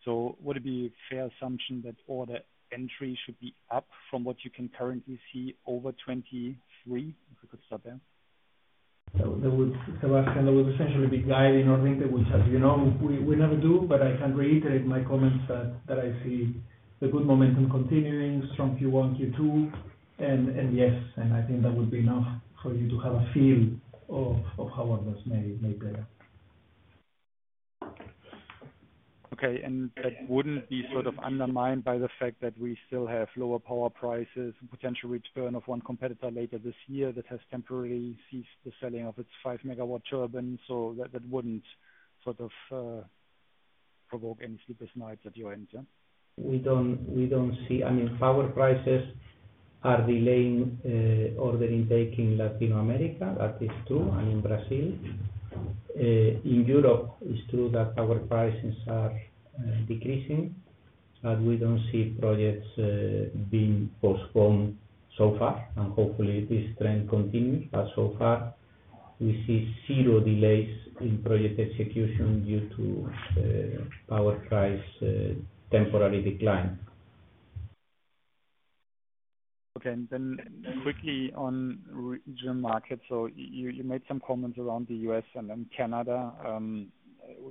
So would it be a fair assumption that order entry should be up from what you can currently see over 2023? If we could start there. So that would, Sebastian, essentially be guiding our intake, which, as you know, we never do. But I can reiterate my comments that I see the good momentum continuing, strong Q1, Q2, and yes, and I think that would be enough for you to have a feel of how orders may play out. Okay. And that wouldn't be sort of undermined by the fact that we still have lower power prices and potential return of one competitor later this year, that has temporarily ceased the selling of its 5-MW turbines, so that, that wouldn't sort of provoke any sleepless nights at your end, yeah? We don't see, I mean, power prices are delaying order intake in Latin America, that is true, and in Brazil. In Europe, it's true that power prices are decreasing, but we don't see projects being postponed so far, and hopefully this trend continues. But so far, we see zero delays in project execution due to power price temporary decline. Okay, quickly on the onshore wind market. So you made some comments around the US and then Canada.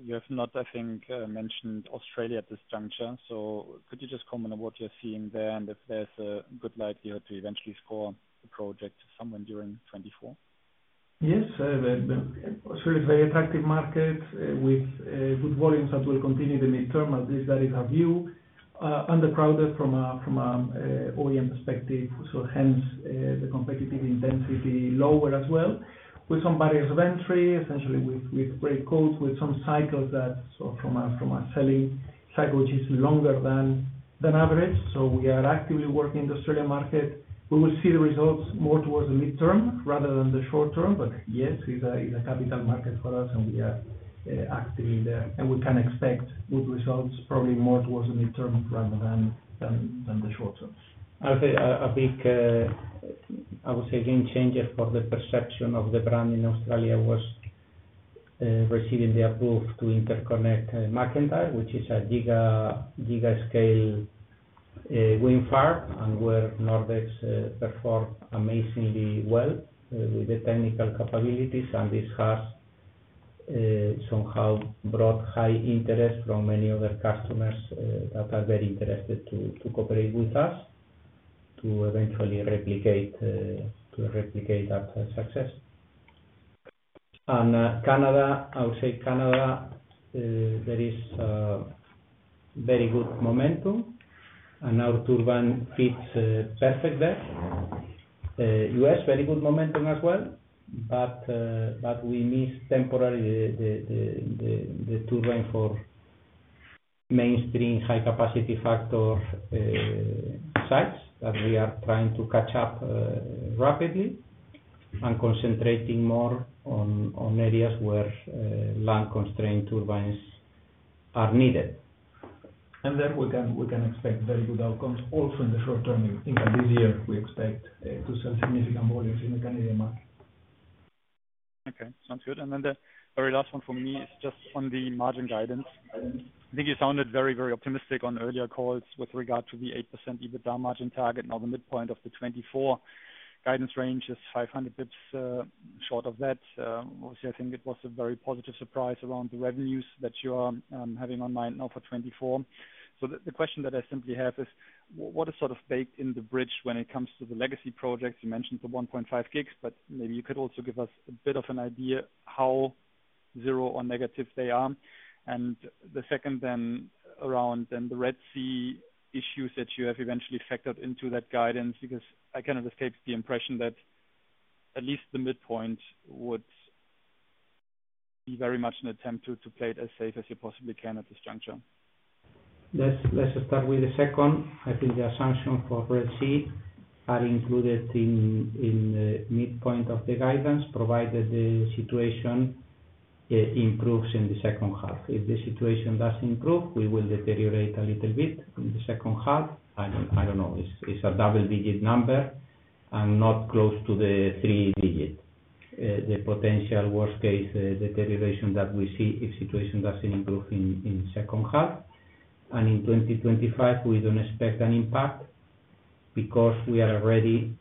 You have not, I think, mentioned Australia at this juncture. So could you just comment on what you're seeing there, and if there's a good likelihood to eventually score a project somewhere during 2024? Yes, Australia is a very attractive market with good volumes that will continue the midterm, at least that is our view. Undercrowded from a OEM perspective, so hence the competitive intensity lower as well. With some barriers of entry, essentially with grid codes, with some cycles that. So from a selling cycle, which is longer than average. So we are actively working in the Australian market. We will see the results more towards the midterm rather than the short term. But yes, it's a capital market for us, and we are actively there. And we can expect good results, probably more towards the midterm rather than the short term. I'd say a big game changer for the perception of the brand in Australia was receiving the approval to interconnect MacIntyre, which is a giga scale wind farm, and where Nordex performed amazingly well with the technical capabilities. And this has somehow brought high interest from many other customers that are very interested to cooperate with us, to eventually replicate that success. And Canada, I would say there is very good momentum, and our turbine fits perfect there. US, very good momentum as well, but we missed temporarily the turbine for mainstream high capacity factor sites, that we are trying to catch up rapidly and concentrating more on areas where land-constrained turbines are needed. And then we can, we can expect very good outcomes also in the short term. I think that this year we expect to sell significant volumes in the Canadian market. Okay, sounds good. And then the very last one for me is just on the margin guidance. I think you sounded very, very optimistic on earlier calls with regard to the 8% EBITDA margin target. Now, the midpoint of the 2024 guidance range is 500 bps short of that. Obviously, I think it was a very positive surprise around the revenues that you are having online now for 2024. So the question that I simply have is, what is sort of baked in the bridge when it comes to the legacy projects? You mentioned the 1.5 GW, but maybe you could also give us a bit of an idea how zero or negative they are. And the second then, around then, the Red Sea issues that you have eventually factored into that guidance, because I cannot escape the impression that at least the midpoint would be very much an attempt to play it as safe as you possibly can at this juncture. Let's start with the second. I think the assumptions for Red Sea are included in the midpoint of the guidance, provided the situation improves in the second half. If the situation doesn't improve, we will deteriorate a little bit in the second half. I don't know, it's a double-digit number and not close to the three-digit. The potential worst case deterioration that we see if situation doesn't improve in the second half. And in 2025, we don't expect an impact because we are already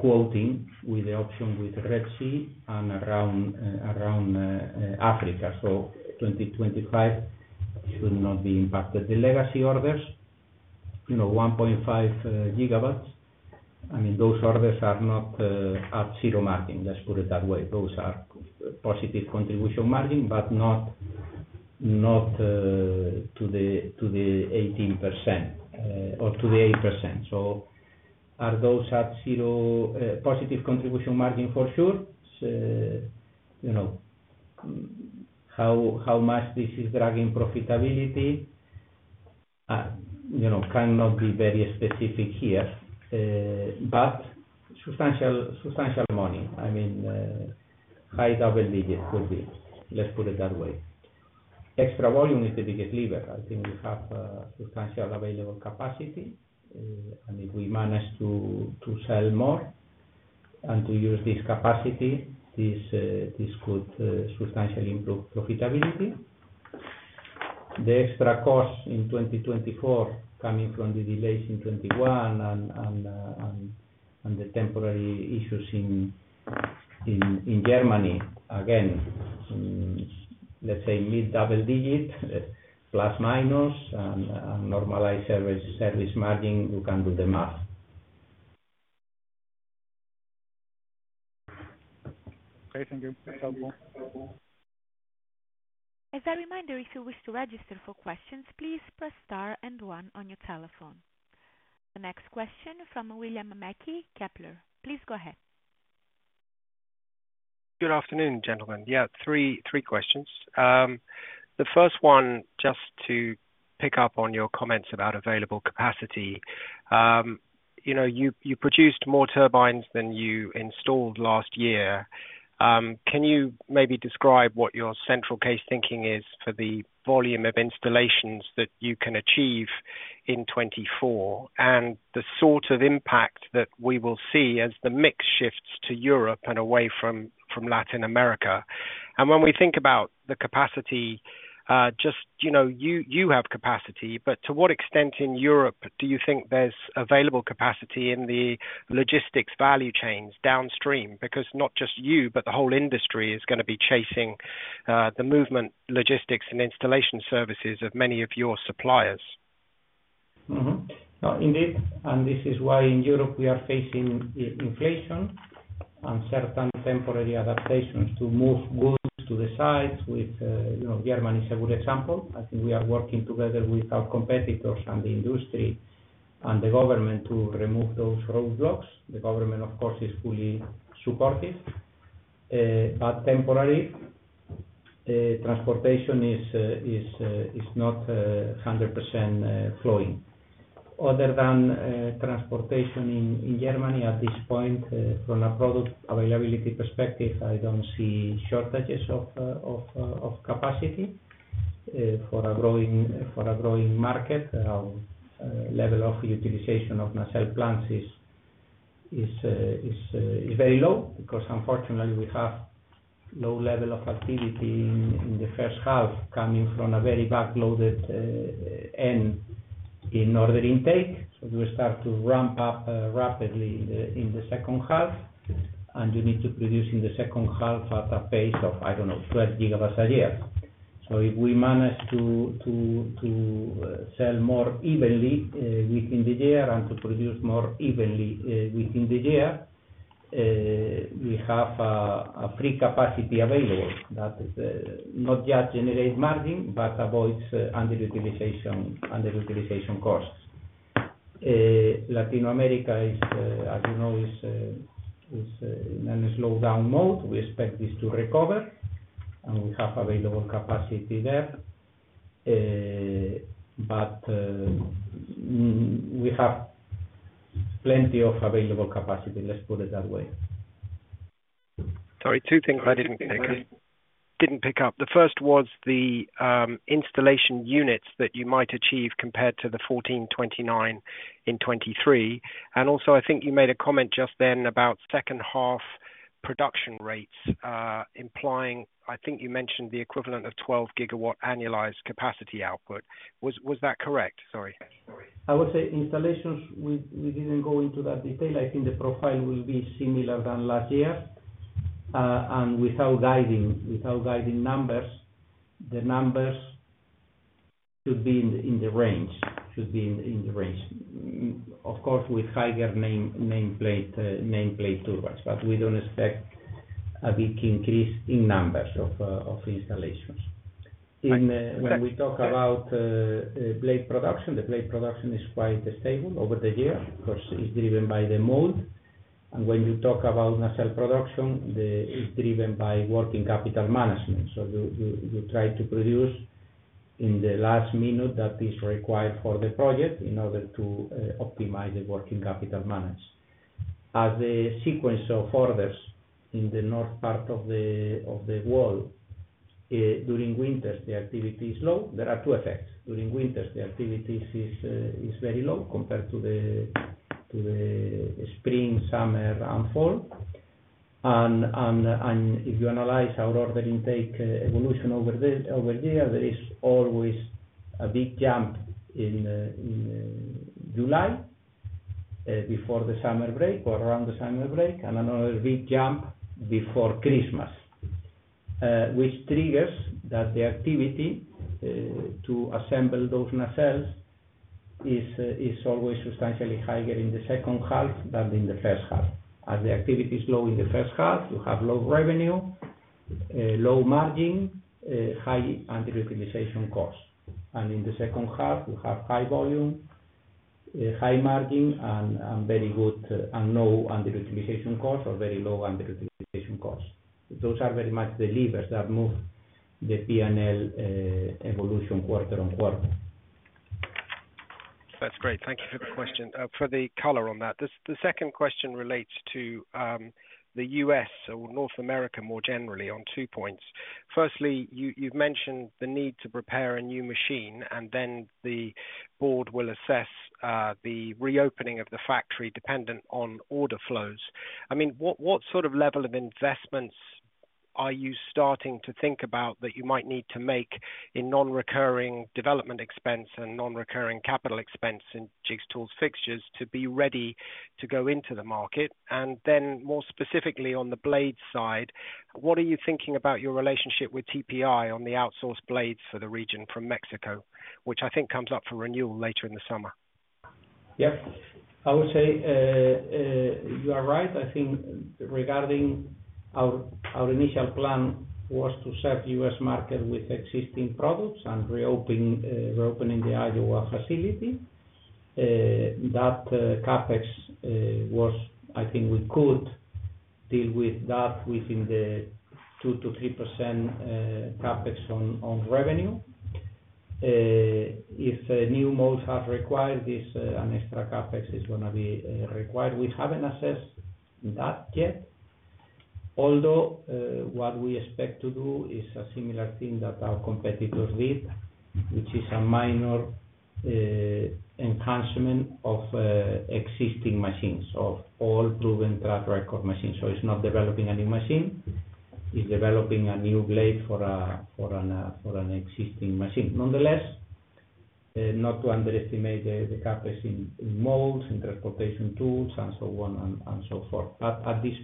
quoting with the option with Red Sea and around Africa. So 2025 should not be impacted. The legacy orders, you know, 1.5 GW, I mean, those orders are not at zero margin, let's put it that way. Those are positive contribution margin, but not to the 18% or to the 8%. So are those at zero positive contribution margin? For sure. You know, how much this is dragging profitability, you know, cannot be very specific here, but substantial money. I mean, high double digits will be, let's put it that way. Extra volume is the biggest lever. I think we have substantial available capacity, and if we manage to sell more and to use this capacity, this could substantially improve profitability. The extra cost in 2024 coming from the delays in 2021 and the temporary issues in Germany, again, let's say mid-double digit plus minus, and normalized service margin, you can do the math. Okay, thank you. That's helpful. As a reminder, if you wish to register for questions, please press star and one on your telephone. The next question from William Mackie, Kepler. Please go ahead.... Good afternoon, gentlemen. Yeah, three questions. The first one, just to pick up on your comments about available capacity. You know, you produced more turbines than you installed last year. Can you maybe describe what your central case thinking is for the volume of installations that you can achieve in 2024, and the sort of impact that we will see as the mix shifts to Europe and away from Latin America? And when we think about the capacity, just, you know, you have capacity, but to what extent in Europe do you think there's available capacity in the logistics value chains downstream? Because not just you, but the whole industry is gonna be chasing the movement, logistics, and installation services of many of your suppliers. No, indeed, and this is why in Europe, we are facing inflation and certain temporary adaptations to move goods to the sites with, you know, Germany is a good example. I think we are working together with our competitors and the industry and the government to remove those roadblocks. The government, of course, is fully supportive, but temporary transportation is not 100% flowing. Other than transportation in Germany at this point, from a product availability perspective, I don't see shortages of capacity for a growing market. Our level of utilization of nacelle plants is very low because unfortunately we have low level of activity in the first half, coming from a very backloaded end in order intake. So we start to ramp up rapidly in the second half, and you need to produce in the second half at a pace of, I don't know, 12 GW a year. So if we manage to sell more evenly within the year and to produce more evenly within the year, we have a free capacity available that not just generate margin, but avoids underutilization costs. Latin America is, as you know, in a slowdown mode. We expect this to recover, and we have available capacity there. But we have plenty of available capacity, let's put it that way. Sorry, two things I didn't pick up. The first was the installation units that you might achieve compared to the 1,429 in 2023. Also, I think you made a comment just then about second half production rates, implying, I think you mentioned the equivalent of 12 GW annualized capacity output. Was that correct? Sorry. I would say installations, we didn't go into that detail. I think the profile will be similar than last year. And without guiding numbers, the numbers should be in the range. Of course, with higher nameplate turbines, but we don't expect a big increase in numbers of installations. When we talk about blade production, the blade production is quite stable over the years, because it's driven by the mode. And when you talk about nacelle production, it's driven by working capital management. So you try to produce in the last minute that is required for the project in order to optimize the working capital manage. As the sequence of orders in the north part of the world during winters, the activity is low. There are two effects. During winters, the activities is very low compared to the spring, summer, and fall. And if you analyze our order intake evolution over the year, there is always a big jump in July before the summer break or around the summer break, and another big jump before Christmas. Which triggers that the activity to assemble those nacelles is always substantially higher in the second half than in the first half. As the activity is low in the first half, you have low revenue, low margin, high underutilization costs. In the second half, you have high volume, high margin, and very good, and low underutilization costs or very low underutilization costs. Those are very much the levers that move the P&L evolution quarter-over-quarter. That's great. Thank you for the question for the color on that. The second question relates to the US or North America, more generally on two points. Firstly, you've mentioned the need to prepare a new machine, and then the board will assess the reopening of the factory, dependent on order flows. I mean, what sort of level of investments are you starting to think about that you might need to make in non-recurring development expense and non-recurring capital expense in jigs, tools, fixtures to be ready to go into the market? And then more specifically on the blade side, what are you thinking about your relationship with TPI on the outsourced blades for the region from Mexico, which I think comes up for renewal later in the summer? Yes. I would say, you are right. I think regarding our initial plan was to serve the US market with existing products and reopening the Iowa facility. That CapEx was, I think we could deal with that within the 2% to 3% CapEx on revenue. If a new mold has required this, an extra CapEx is gonna be required. We haven't assessed that yet, although what we expect to do is a similar thing that our competitors did, which is a minor enhancement of existing machines, of all proven track record machines. So it's not developing a new machine, it's developing a new blade for an existing machine. Nonetheless, not to underestimate the CapEx in molds, in transportation tools, and so on and so forth. At this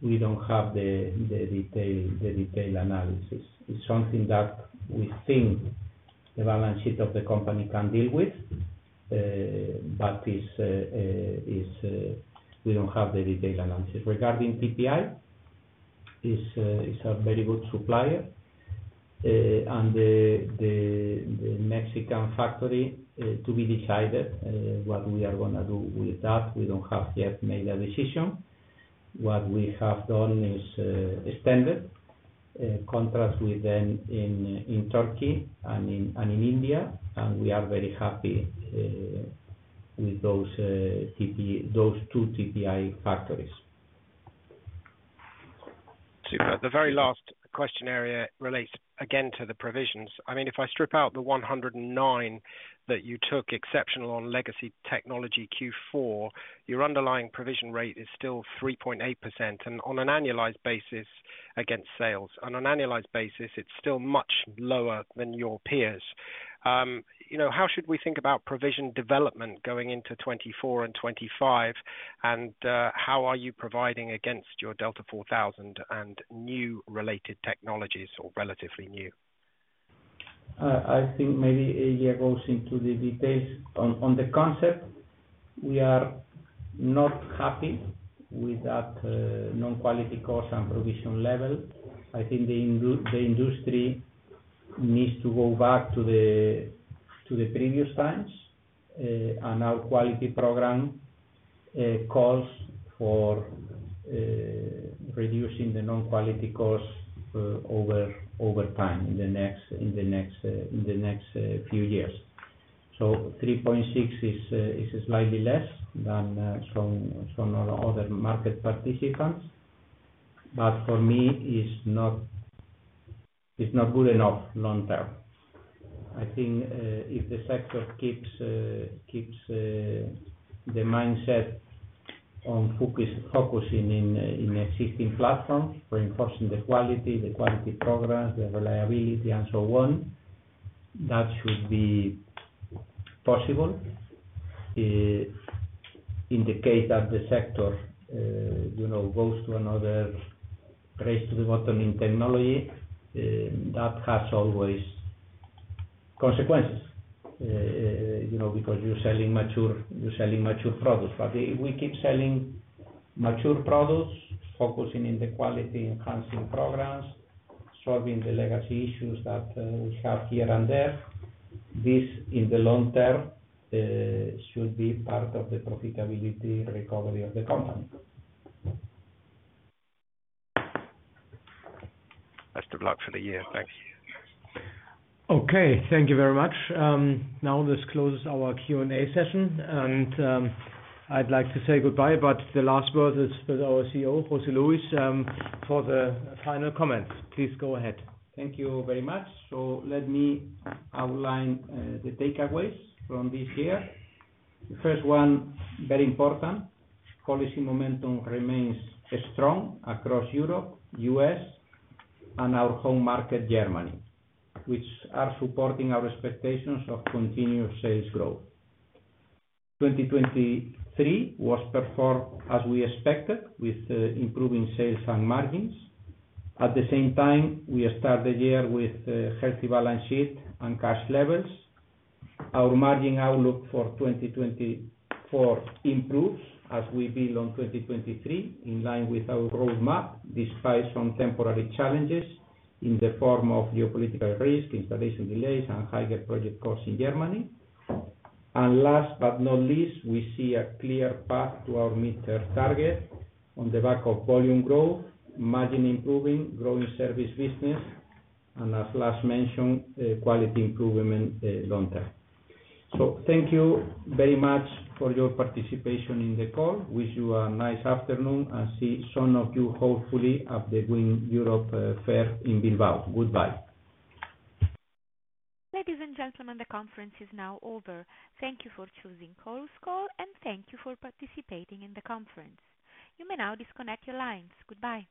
point, we don't have the detailed analysis. It's something that we think the balance sheet of the company can deal with, but we don't have the detailed analysis. Regarding TPI, it is a very good supplier. And the Mexican factory to be decided what we are gonna do with that. We don't have yet made a decision. What we have done is extended contracts with them in Turkey and in India, and we are very happy with those two TPI factories. Super. The very last question area relates again to the provisions. I mean, if I strip out the 109 that you took exceptional on legacy technology Q4, your underlying provision rate is still 3.8%, and on an annualized basis, against sales. On an annualized basis, it's still much lower than your peers. You know, how should we think about provision development going into 2024 and 2025? And, how are you providing against your Delta4000 and new related technologies, or relatively new? I think maybe Adrian goes into the details. On the concept, we are not happy with that non-quality cost and provision level. I think the industry needs to go back to the previous times, and our quality program calls for reducing the non-quality costs over time in the next few years. So 3.6 is slightly less than some other market participants, but for me, it is not good enough long term. I think if the sector keeps the mindset on focusing in existing platforms, reinforcing the quality, the quality programs, the reliability, and so on, that should be possible. In the case that the sector, you know, goes to another race to the bottom in technology, that has always consequences. You know, because you're selling mature, you're selling mature products. But we keep selling mature products, focusing in the quality enhancement programs, solving the legacy issues that we have here and there. This, in the long term, should be part of the profitability recovery of the company. Best of luck for the year. Thank you. Okay, thank you very much. Now this closes our Q&A session, and, I'd like to say goodbye, but the last word is with our CEO, José Luis, for the final comments. Please go ahead. Thank you very much. So let me outline the takeaways from this year. The first one, very important, policy momentum remains strong across Europe, US, and our home market, Germany, which are supporting our expectations of continued sales growth. 2023 performed as we expected, with improving sales and margins. At the same time, we start the year with a healthy balance sheet and cash levels. Our margin outlook for 2024 improves as we build on 2023, in line with our roadmap, despite some temporary challenges in the form of geopolitical risk, installation delays, and higher project costs in Germany. And last but not least, we see a clear path to our midterm target on the back of volume growth, margin improving, growing service business, and as last mentioned, quality improvement, long term. Thank you very much for your participation in the call. Wish you a nice afternoon, and see some of you hopefully at the WindEurope fair in Bilbao. Goodbye. Ladies and gentlemen, the conference is now over. Thank you for choosing Chorus Call, and thank you for participating in the conference. You may now disconnect your lines. Goodbye.